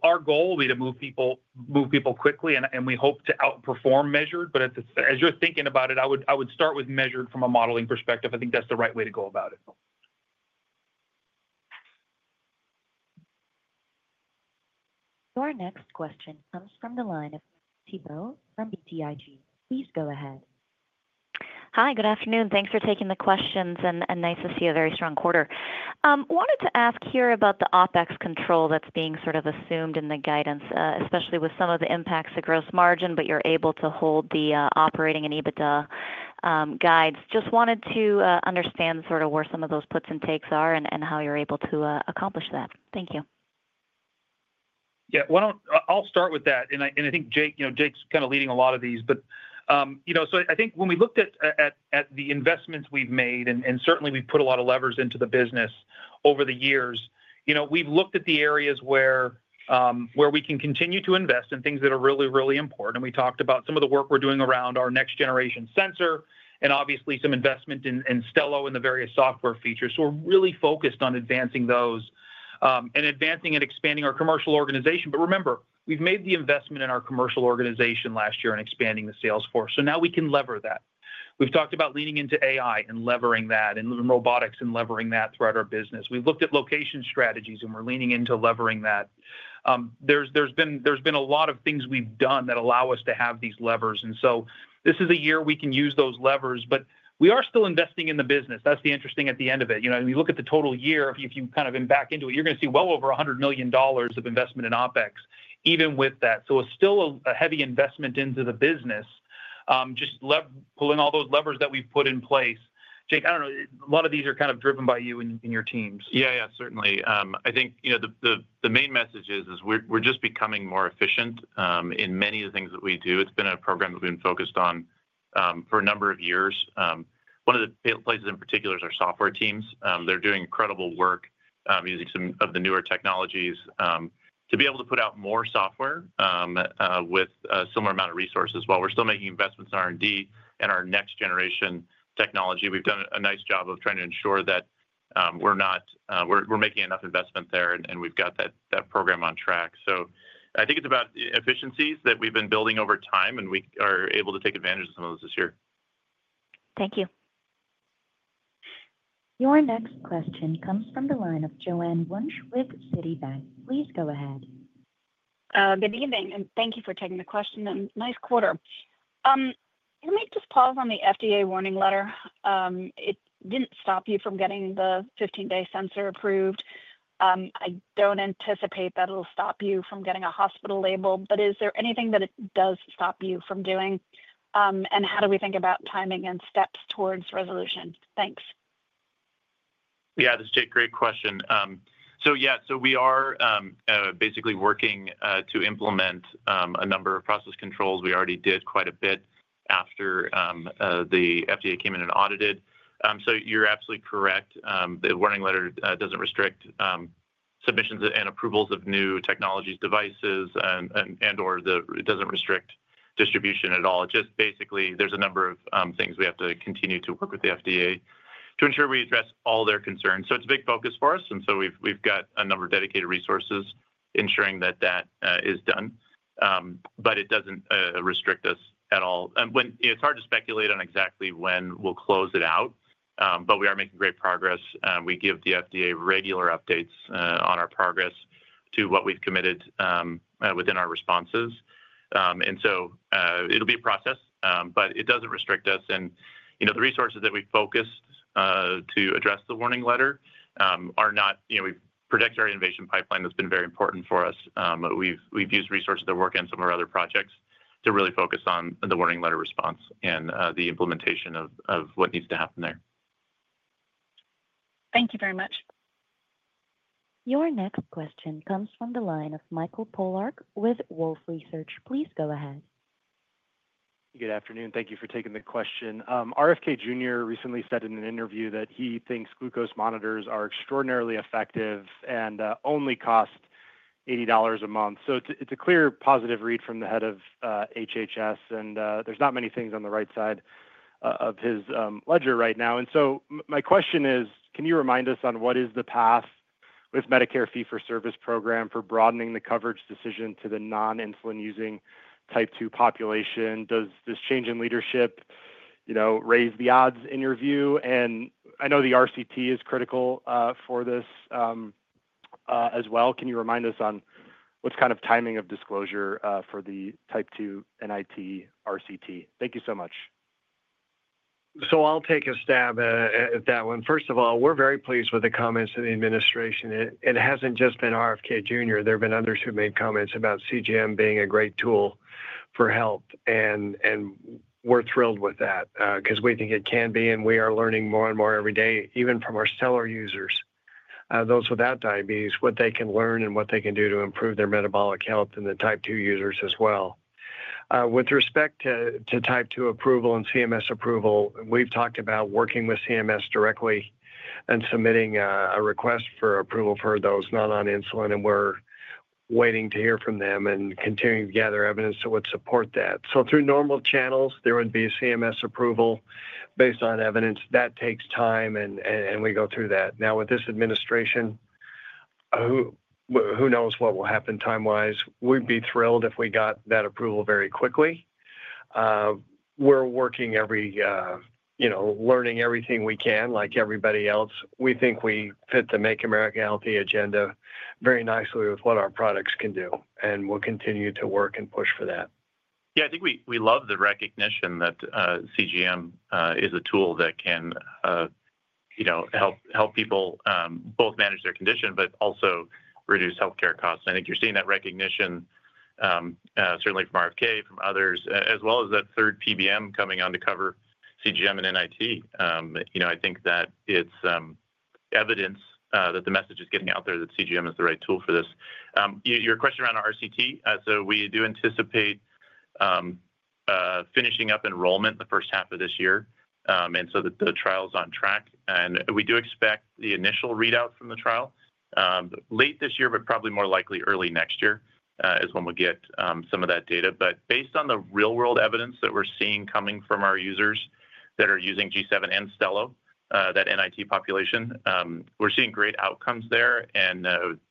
Our goal will be to move people quickly, and we hope to outperform measured. As you're thinking about it, I would start with measured from a modeling perspective. I think that's the right way to go about it. Your next question comes from the line of Marie Thibault from BTIG. Please go ahead. Hi, good afternoon. Thanks for taking the questions. Nice to see a very strong quarter. Wanted to ask here about the OpEx control that's being sort of assumed in the guidance, especially with some of the impacts to gross margin, but you're able to hold the operating and EBITDA guides. Just wanted to understand sort of where some of those puts and takes are and how you're able to accomplish that. Thank you. Yeah, I'll start with that. I think Jake's kind of leading a lot of these. I think when we looked at the investments we've made, and certainly we've put a lot of levers into the business over the years, we've looked at the areas where we can continue to invest in things that are really, really important. We talked about some of the work we're doing around our next-generation sensor and obviously some investment in Stelo and the various software features. We're really focused on advancing those and advancing and expanding our commercial organization. Remember, we've made the investment in our commercial organization last year in expanding the Salesforce. Now we can lever that. We've talked about leaning into AI and levering that and robotics and levering that throughout our business. We've looked at location strategies, and we're leaning into levering that. There's been a lot of things we've done that allow us to have these levers. This is a year we can use those levers, but we are still investing in the business. That's the interesting at the end of it. You look at the total year, if you kind of back into it, you're going to see well over $100 million of investment in OpEx, even with that. It's still a heavy investment into the business, just pulling all those levers that we've put in place. Jake, I don't know. A lot of these are kind of driven by you and your teams. Yeah, yeah, certainly. I think the main message is we're just becoming more efficient in many of the things that we do. It's been a program that we've been focused on for a number of years. One of the places in particular is our software teams. They're doing incredible work using some of the newer technologies to be able to put out more software with a similar amount of resources. While we're still making investments in R&D and our next-generation technology, we've done a nice job of trying to ensure that we're making enough investment there, and we've got that program on track. I think it's about efficiencies that we've been building over time, and we are able to take advantage of some of those this year. Thank you. Your next question comes from the line of Joanne Wuensch with Citibank. Please go ahead. Good evening, and thank you for taking the question. Nice quarter. Let me just pause on the FDA warning letter. It did not stop you from getting the 15-day sensor approved. I do not anticipate that it will stop you from getting a hospital label. Is there anything that it does stop you from doing? How do we think about timing and steps towards resolution? Thanks. Yeah, this is Jake. Great question. Yeah, we are basically working to implement a number of process controls. We already did quite a bit after the FDA came in and audited. You're absolutely correct. The warning letter doesn't restrict submissions and approvals of new technologies, devices, and/or it doesn't restrict distribution at all. It just basically means there are a number of things we have to continue to work with the FDA to ensure we address all their concerns. It's a big focus for us. We've got a number of dedicated resources ensuring that is done. It doesn't restrict us at all. It's hard to speculate on exactly when we'll close it out, but we are making great progress. We give the FDA regular updates on our progress to what we've committed within our responses. It'll be a process, but it doesn't restrict us. The resources that we focused to address the warning letter are not—we've protected our innovation pipeline. That's been very important for us. We've used resources to work on some of our other projects to really focus on the warning letter response and the implementation of what needs to happen there. Thank you very much. Your next question comes from the line of Michael Polark with Wolfe Research. Please go ahead. Good afternoon. Thank you for taking the question. RFK Jr. recently said in an interview that he thinks glucose monitors are extraordinarily effective and only cost $80 a month. It is a clear positive read from the head of HHS. There are not many things on the right side of his ledger right now. My question is, can you remind us on what is the path with Medicare Fee-for-Service program for broadening the coverage decision to the non-insulin-using type 2 population? Does this change in leadership raise the odds, in your view? I know the RCT is critical for this as well. Can you remind us on what is kind of timing of disclosure for the type 2 NIT RCT? Thank you so much. I'll take a stab at that one. First of all, we're very pleased with the comments of the administration. It hasn't just been RFK Jr. There have been others who made comments about CGM being a great tool for help. We're thrilled with that because we think it can be. We are learning more and more every day, even from our Stelo users, those without diabetes, what they can learn and what they can do to improve their metabolic health and the type 2 users as well. With respect to type 2 approval and CMS approval, we've talked about working with CMS directly and submitting a request for approval for those not on insulin. We're waiting to hear from them and continue to gather evidence to support that. Through normal channels, there would be a CMS approval based on evidence. That takes time, and we go through that. Now, with this administration, who knows what will happen time-wise? We'd be thrilled if we got that approval very quickly. We're working, learning everything we can, like everybody else. We think we fit the Make America Healthy agenda very nicely with what our products can do. We'll continue to work and push for that. Yeah, I think we love the recognition that CGM is a tool that can help people both manage their condition, but also reduce healthcare costs. I think you're seeing that recognition, certainly from RFK, from others, as well as that third PBM coming on to cover CGM and NIT. I think that it's evidence that the message is getting out there that CGM is the right tool for this. Your question around RCT, we do anticipate finishing up enrollment the first half of this year, and the trial's on track. We do expect the initial readout from the trial late this year, but probably more likely early next year is when we'll get some of that data. Based on the real-world evidence that we're seeing coming from our users that are using G7 and Stelo, that NIT population, we're seeing great outcomes there.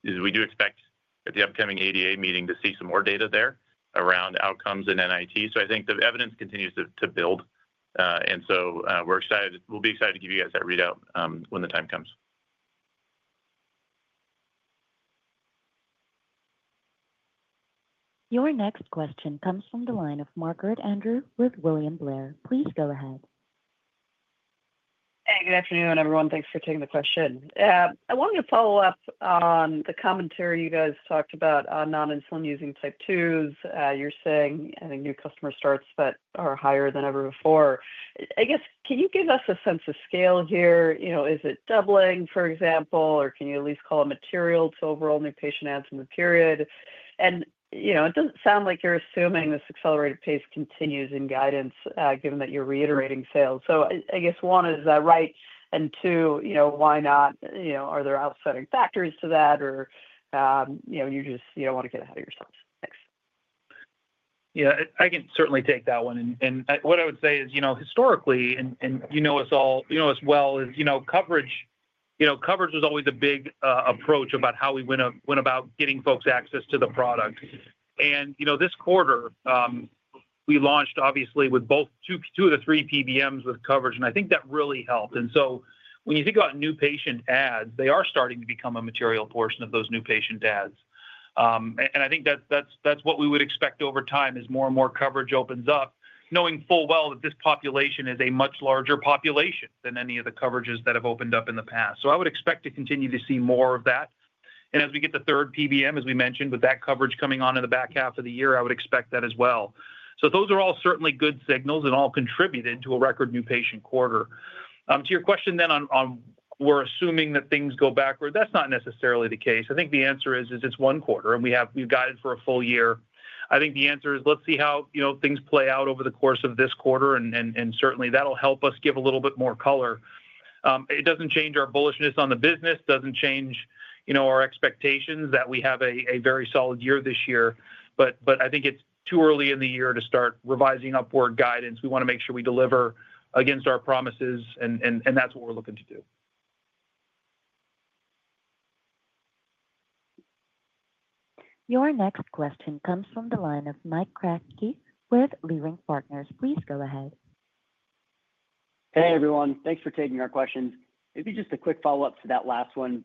We do expect at the upcoming ADA meeting to see some more data there around outcomes in NIT. I think the evidence continues to build. We will be excited to give you guys that readout when the time comes. Your next question comes from the line of Margaret Andrew with William Blair. Please go ahead. Hey, good afternoon, everyone. Thanks for taking the question. I wanted to follow up on the commentary you guys talked about on non-insulin-using type 2s. You're saying, I think, new customer starts that are higher than ever before. I guess, can you give us a sense of scale here? Is it doubling, for example, or can you at least call it material to overall new patient adds in the period? It doesn't sound like you're assuming this accelerated pace continues in guidance, given that you're reiterating sales. I guess one is right. Two, why not? Are there outsetting factors to that, or you just don't want to get ahead of yourself? Thanks. Yeah, I can certainly take that one. What I would say is, historically, and you know us well as coverage was always a big approach about how we went about getting folks access to the product. This quarter, we launched, obviously, with both two of the three PBMs with coverage. I think that really helped. When you think about new patient adds, they are starting to become a material portion of those new patient adds. I think that's what we would expect over time as more and more coverage opens up, knowing full well that this population is a much larger population than any of the coverages that have opened up in the past. I would expect to continue to see more of that. As we get the third PBM, as we mentioned, with that coverage coming on in the back half of the year, I would expect that as well. Those are all certainly good signals and all contributed to a record new patient quarter. To your question then on we're assuming that things go backward, that's not necessarily the case. I think the answer is it's one quarter, and we've guided for a full year. I think the answer is let's see how things play out over the course of this quarter. Certainly, that'll help us give a little bit more color. It doesn't change our bullishness on the business. It doesn't change our expectations that we have a very solid year this year. I think it's too early in the year to start revising upward guidance. We want to make sure we deliver against our promises, and that's what we're looking to do. Your next question comes from the line of Mike Kratky with Leerink Partners. Please go ahead. Hey, everyone. Thanks for taking our questions. Maybe just a quick follow-up to that last one.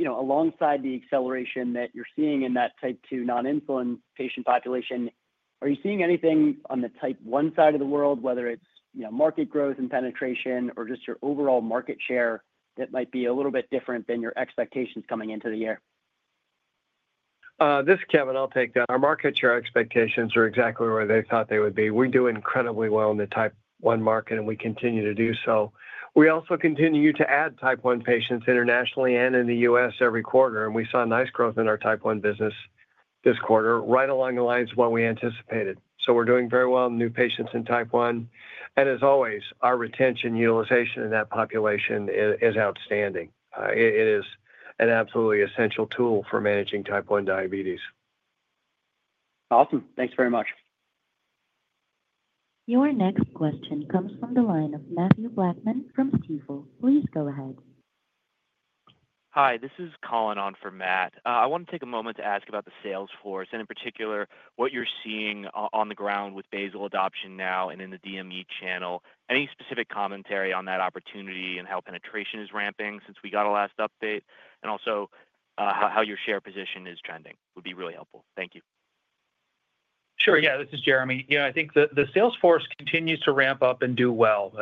Alongside the acceleration that you're seeing in that type 2 non-insulin patient population, are you seeing anything on the type 1 side of the world, whether it's market growth and penetration or just your overall market share that might be a little bit different than your expectations coming into the year? This is Kevin. I'll take that. Our market share expectations are exactly where they thought they would be. We do incredibly well in the type 1 market, and we continue to do so. We also continue to add type 1 patients internationally and in the U.S. every quarter. We saw nice growth in our type 1 business this quarter, right along the lines of what we anticipated. We are doing very well in new patients in type 1. As always, our retention utilization in that population is outstanding. It is an absolutely essential tool for managing type 1 diabetes. Awesome. Thanks very much. Your next question comes from the line of Matthew Blackman from Stifel. Please go ahead. Hi, this is Colin on for Matt. I want to take a moment to ask about the Salesforce and, in particular, what you're seeing on the ground with basal adoption now and in the DME channel. Any specific commentary on that opportunity and how penetration is ramping since we got a last update? Also, how your share position is trending would be really helpful. Thank you. Sure. Yeah, this is Jereme. I think the Salesforce continues to ramp up and do well.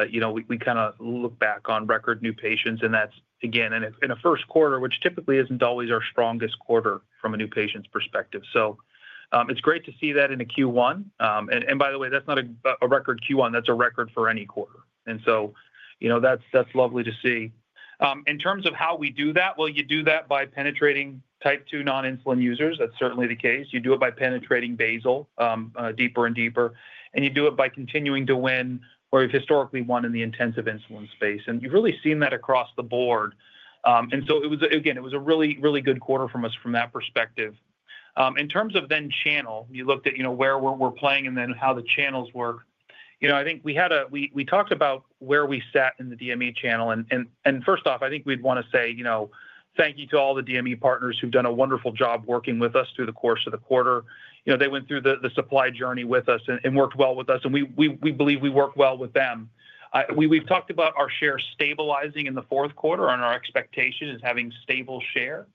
We kind of look back on record new patients, and that's, again, in a first quarter, which typically isn't always our strongest quarter from a new patient's perspective. It is great to see that in a Q1. By the way, that's not a record Q1. That is a record for any quarter. That is lovely to see. In terms of how we do that, you do that by penetrating type 2 non-insulin users. That is certainly the case. You do it by penetrating basal deeper and deeper. You do it by continuing to win where we have historically won in the intensive insulin space. You have really seen that across the board. It was a really, really good quarter from us from that perspective. In terms of the channel, you looked at where we're playing and how the channels work. I think we talked about where we sat in the DME channel. First off, I think we'd want to say thank you to all the DME partners who've done a wonderful job working with us through the course of the quarter. They went through the supply journey with us and worked well with us. We believe we worked well with them. We've talked about our share stabilizing in the fourth quarter and our expectation is having stable share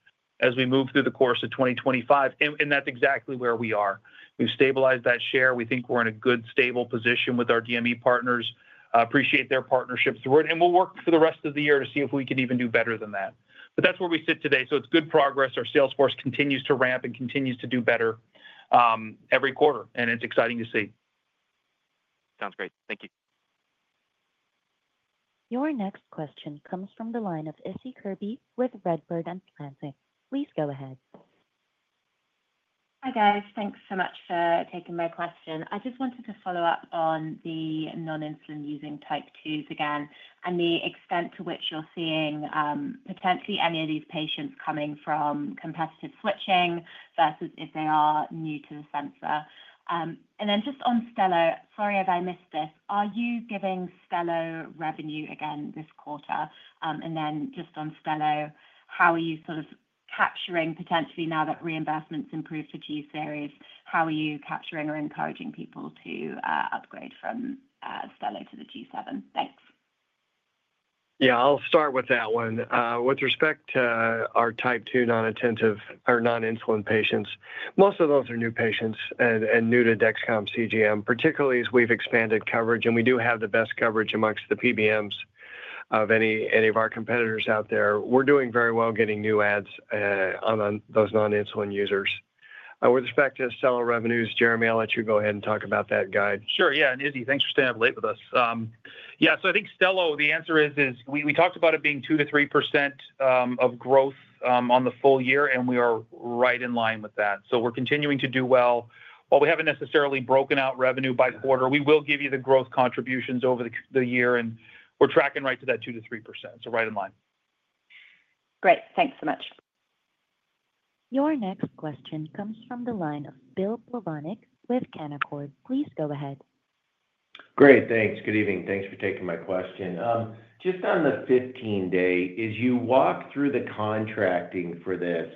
as we move through the course of 2025. That's exactly where we are. We've stabilized that share. We think we're in a good stable position with our DME partners. Appreciate their partnership through it. We will work for the rest of the year to see if we can even do better than that. That is where we sit today. It is good progress. Our Salesforce continues to ramp and continues to do better every quarter. It is exciting to see. Sounds great. Thank you. Your next question comes from the line of Issie Kirby with Redburn Atlantic. Please go ahead. Hi guys. Thanks so much for taking my question. I just wanted to follow up on the non-insulin-using type 2s again and the extent to which you're seeing potentially any of these patients coming from competitive switching versus if they are new to the sensor. Just on Stelo, sorry if I missed this, are you giving Stelo revenue again this quarter? Just on Stelo, how are you sort of capturing potentially now that reinvestment's improved to G series? How are you capturing or encouraging people to upgrade from Stelo to the G7? Thanks. Yeah, I'll start with that one. With respect to our type 2 non-insulin patients, most of those are new patients and new to Dexcom CGM, particularly as we've expanded coverage. We do have the best coverage amongst the PBMs of any of our competitors out there. We're doing very well getting new ads on those non-insulin users. With respect to Stelo revenues, Jereme, I'll let you go ahead and talk about that guide. Sure. Yeah. And Izzy, thanks for staying up late with us. Yeah, so I think Stelo, the answer is we talked about it being 2-3% of growth on the full year. And we are right in line with that. So we're continuing to do well. While we haven't necessarily broken out revenue by quarter, we will give you the growth contributions over the year. And we're tracking right to that 2-3%. So right in line. Great. Thanks so much. Your next question comes from the line of Bill Plovanic with Canaccord. Please go ahead. Great. Thanks. Good evening. Thanks for taking my question. Just on the 15-day, as you walk through the contracting for this,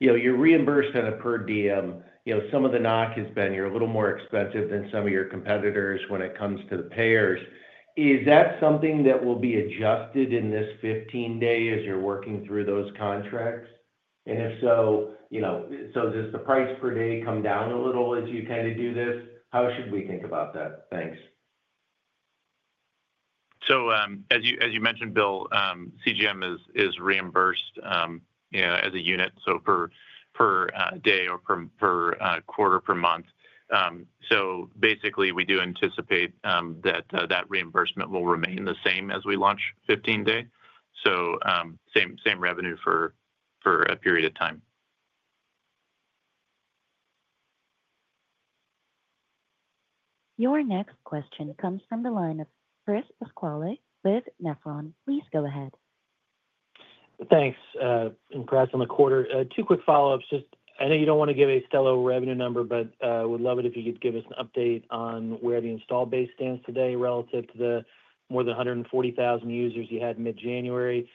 you're reimbursed on a per diem. Some of the knock has been you're a little more expensive than some of your competitors when it comes to the payers. Is that something that will be adjusted in this 15-day as you're working through those contracts? If so, does the price per day come down a little as you kind of do this? How should we think about that? Thanks. As you mentioned, Bill, CGM is reimbursed as a unit, so per day or per quarter, per month. Basically, we do anticipate that that reimbursement will remain the same as we launch 15-day. Same revenue for a period of time. Your next question comes from the line of Chris Pasquale with Nephron. Please go ahead. Thanks. Impressed on the quarter. Two quick follow-ups. I know you don't want to give a Stelo revenue number, but I would love it if you could give us an update on where the install base stands today relative to the more than 140,000 users you had mid-January.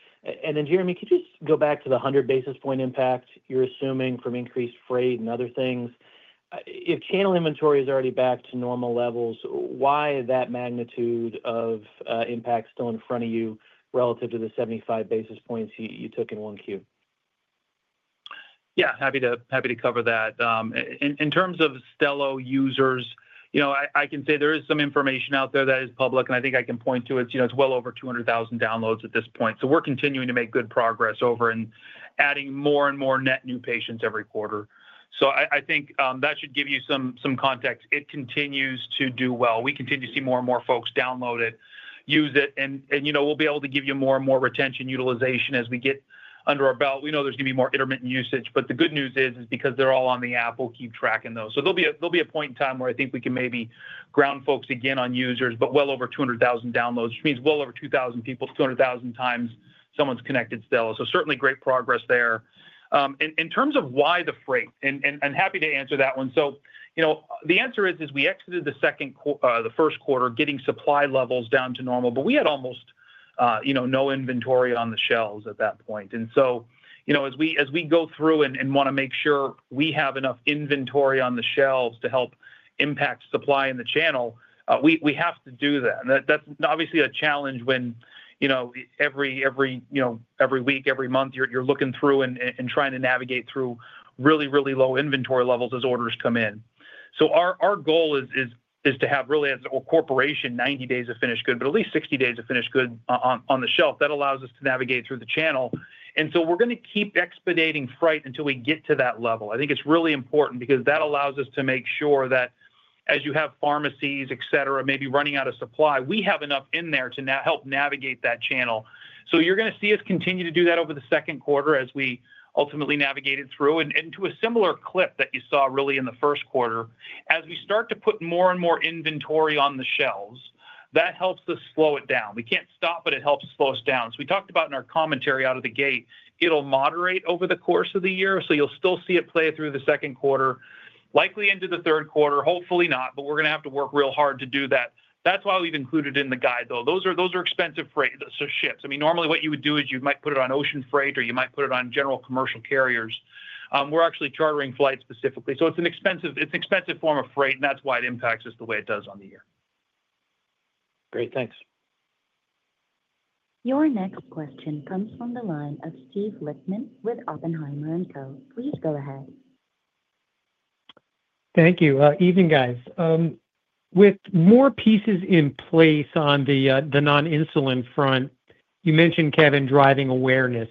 And then, Jereme, could you just go back to the 100 basis point impact you're assuming from increased freight and other things? If channel inventory is already back to normal levels, why is that magnitude of impact still in front of you relative to the 75 basis points you took in one queue? Yeah, happy to cover that. In terms of Stelo users, I can say there is some information out there that is public. I think I can point to it. It's well over 200,000 downloads at this point. We are continuing to make good progress over and adding more and more net new patients every quarter. I think that should give you some context. It continues to do well. We continue to see more and more folks download it, use it. We will be able to give you more and more retention utilization as we get under our belt. We know there's going to be more intermittent usage. The good news is, because they're all on the app, we'll keep tracking those. There will be a point in time where I think we can maybe ground folks again on users, but well over 200,000 downloads, which means well over 200,000 times someone's connected Stelo. Certainly great progress there. In terms of why the freight, I am happy to answer that one. The answer is we exited the first quarter getting supply levels down to normal. We had almost no inventory on the shelves at that point. As we go through and want to make sure we have enough inventory on the shelves to help impact supply in the channel, we have to do that. That is obviously a challenge when every week, every month, you are looking through and trying to navigate through really, really low inventory levels as orders come in. Our goal is to have really, as a corporation, 90 days of finished good, but at least 60 days of finished good on the shelf. That allows us to navigate through the channel. We are going to keep expediting freight until we get to that level. I think it is really important because that allows us to make sure that as you have pharmacies, etc., maybe running out of supply, we have enough in there to help navigate that channel. You are going to see us continue to do that over the second quarter as we ultimately navigate it through. To a similar clip that you saw really in the first quarter, as we start to put more and more inventory on the shelves, that helps us slow it down. We cannot stop, but it helps slow us down. We talked about in our commentary out of the gate, it'll moderate over the course of the year. You'll still see it play through the second quarter, likely into the third quarter. Hopefully not, but we're going to have to work real hard to do that. That's why we've included it in the guide, though. Those are expensive freight ships. I mean, normally what you would do is you might put it on ocean freight or you might put it on general commercial carriers. We're actually chartering flights specifically. It's an expensive form of freight, and that's why it impacts us the way it does on the year. Great. Thanks. Your next question comes from the line of Steve Lichtman with Oppenheimer & Co. Please go ahead. Thank you. Evening, guys. With more pieces in place on the non-insulin front, you mentioned, Kevin, driving awareness.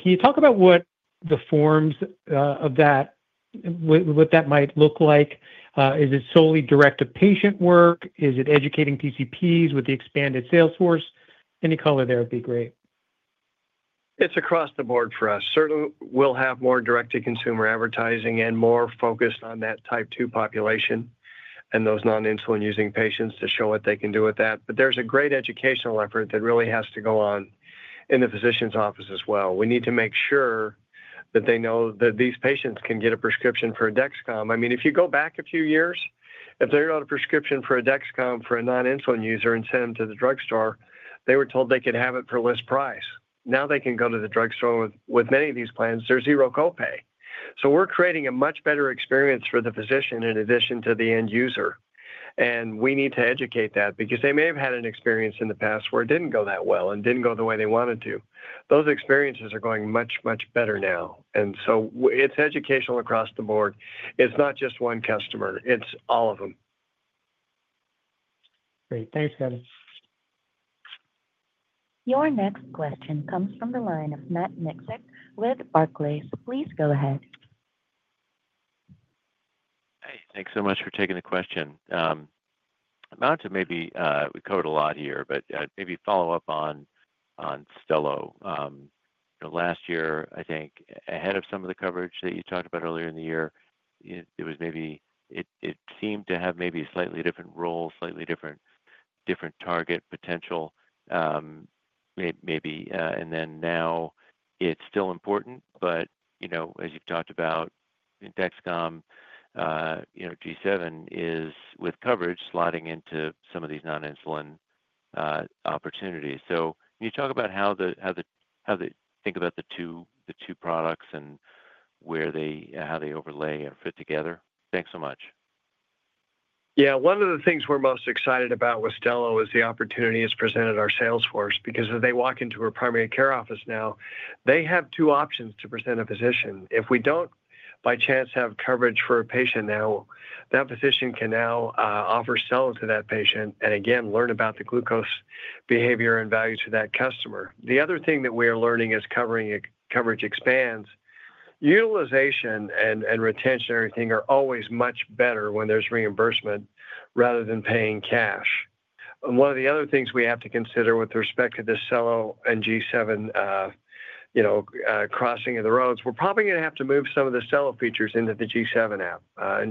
Can you talk about what the forms of that, what that might look like? Is it solely direct-to-patient work? Is it educating PCPs with the expanded Salesforce? Any color there would be great. It's across the board for us. Certainly, we'll have more direct-to-consumer advertising and more focused on that type 2 population and those non-insulin-using patients to show what they can do with that. There is a great educational effort that really has to go on in the physician's office as well. We need to make sure that they know that these patients can get a prescription for Dexcom. I mean, if you go back a few years, if they wrote a prescription for a Dexcom for a non-insulin user and sent them to the drugstore, they were told they could have it for less price. Now they can go to the drugstore with many of these plans. There is zero copay. We are creating a much better experience for the physician in addition to the end user. We need to educate that because they may have had an experience in the past where it did not go that well and did not go the way they wanted to. Those experiences are going much, much better now. It is educational across the board. It is not just one customer. It is all of them. Great. Thanks, Kevin. Your next question comes from the line of Matt Miksic with Barclays. Please go ahead. Hey, thanks so much for taking the question. I'm about to, maybe we covered a lot here, but maybe follow up on Stelo. Last year, I think, ahead of some of the coverage that you talked about earlier in the year, it was maybe, it seemed to have maybe a slightly different role, slightly different target potential, maybe. Now it's still important. As you've talked about, Dexcom G7 is, with coverage, sliding into some of these non-insulin opportunities. Can you talk about how they think about the two products and how they overlay and fit together? Thanks so much. Yeah. One of the things we're most excited about with Stelo is the opportunity it's presented our Salesforce because as they walk into our primary care office now, they have two options to present a physician. If we don't, by chance, have coverage for a patient now, that physician can now offer Stelo to that patient and, again, learn about the glucose behavior and value to that customer. The other thing that we are learning as coverage expands, utilization and retention and everything are always much better when there's reimbursement rather than paying cash. One of the other things we have to consider with respect to the Stelo and G7 crossing of the roads, we're probably going to have to move some of the Stelo features into the G7 app.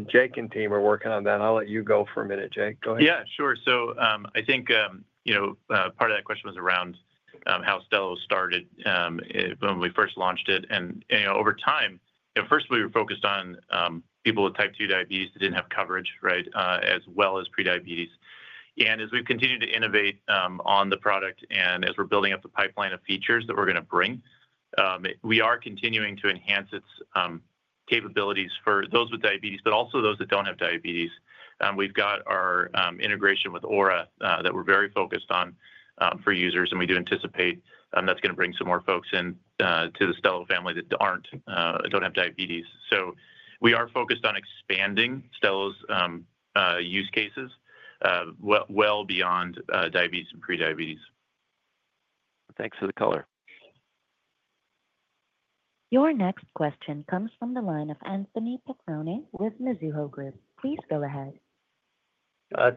Jake and team are working on that. I'll let you go for a minute, Jake. Go ahead. Yeah, sure. I think part of that question was around how Stelo started when we first launched it. Over time, first, we were focused on people with type 2 diabetes that didn't have coverage, right, as well as prediabetes. As we've continued to innovate on the product and as we're building up the pipeline of features that we're going to bring, we are continuing to enhance its capabilities for those with diabetes, but also those that don't have diabetes. We've got our integration with Aura that we're very focused on for users. We do anticipate that's going to bring some more folks into the Stelo family that don't have diabetes. We are focused on expanding Stelo's use cases well beyond diabetes and prediabetes. Thanks for the color. Your next question comes from the line of Anthony Petrone with Mizuho Group. Please go ahead.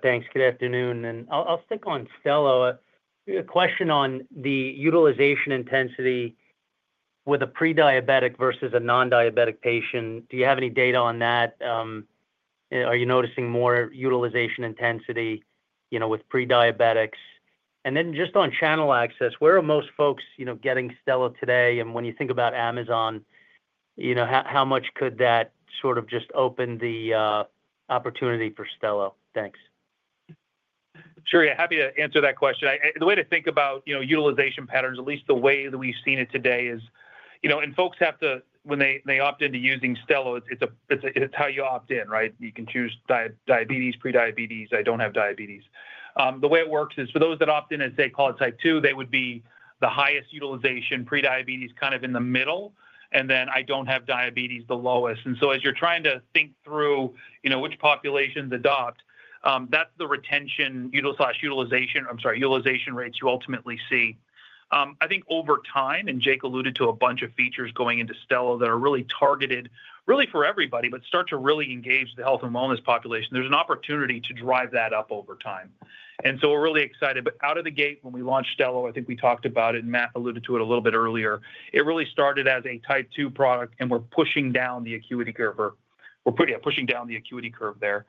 Thanks. Good afternoon. I'll stick on Stelo. A question on the utilization intensity with a prediabetic versus a non-diabetic patient. Do you have any data on that? Are you noticing more utilization intensity with prediabetics? Just on channel access, where are most folks getting Stelo today? When you think about Amazon, how much could that sort of just open the opportunity for Stelo? Thanks. Sure. Yeah, happy to answer that question. The way to think about utilization patterns, at least the way that we've seen it today is, and folks have to, when they opt into using Stelo, it's how you opt in, right? You can choose diabetes, prediabetes, I don't have diabetes. The way it works is for those that opt in as they call it type 2, they would be the highest utilization, prediabetes kind of in the middle, and then I don't have diabetes, the lowest. As you're trying to think through which populations adopt, that's the retention/utilization rates you ultimately see. I think over time, and Jake alluded to a bunch of features going into Stelo that are really targeted, really for everybody, but start to really engage the health and wellness population, there's an opportunity to drive that up over time. We're really excited. Out of the gate, when we launched Stelo, I think we talked about it, and Matt alluded to it a little bit earlier, it really started as a Type 2 product, and we're pushing down the acuity curve. We're pushing down the acuity curve there.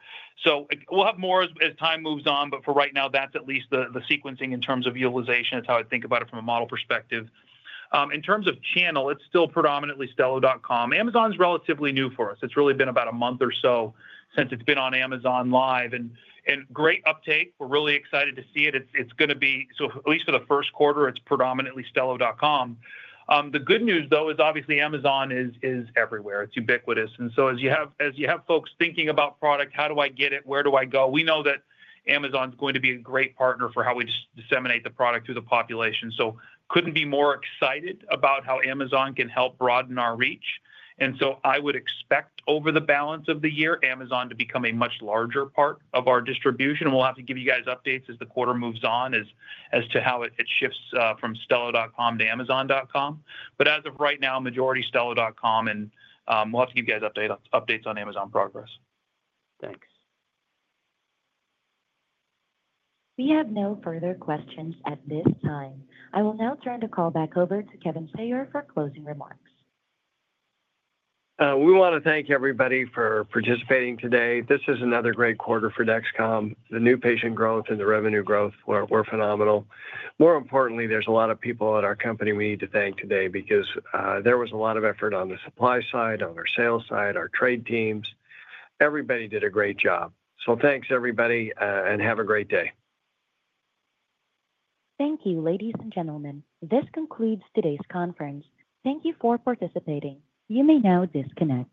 We will have more as time moves on. For right now, that's at least the sequencing in terms of utilization. That's how I think about it from a model perspective. In terms of channel, it's still predominantly stelo.com. Amazon is relatively new for us. It's really been about a month or so since it's been on Amazon Live. Great uptake. We're really excited to see it. It's going to be, at least for the first quarter, predominantly stelo.com. The good news, though, is obviously Amazon is everywhere. It's ubiquitous. As you have folks thinking about product, how do I get it? Where do I go? We know that Amazon is going to be a great partner for how we disseminate the product through the population. I could not be more excited about how Amazon can help broaden our reach. I would expect over the balance of the year, Amazon to become a much larger part of our distribution. We will have to give you guys updates as the quarter moves on as to how it shifts from stelo.com to amazon.com. As of right now, majority stelo.com. We will have to give you guys updates on Amazon progress. Thanks. We have no further questions at this time. I will now turn the call back over to Kevin Sayer for closing remarks. We want to thank everybody for participating today. This is another great quarter for Dexcom. The new patient growth and the revenue growth were phenomenal. More importantly, there's a lot of people at our company we need to thank today because there was a lot of effort on the supply side, on our sales side, our trade teams. Everybody did a great job. Thanks, everybody, and have a great day. Thank you, ladies and gentlemen. This concludes today's conference. Thank you for participating. You may now disconnect.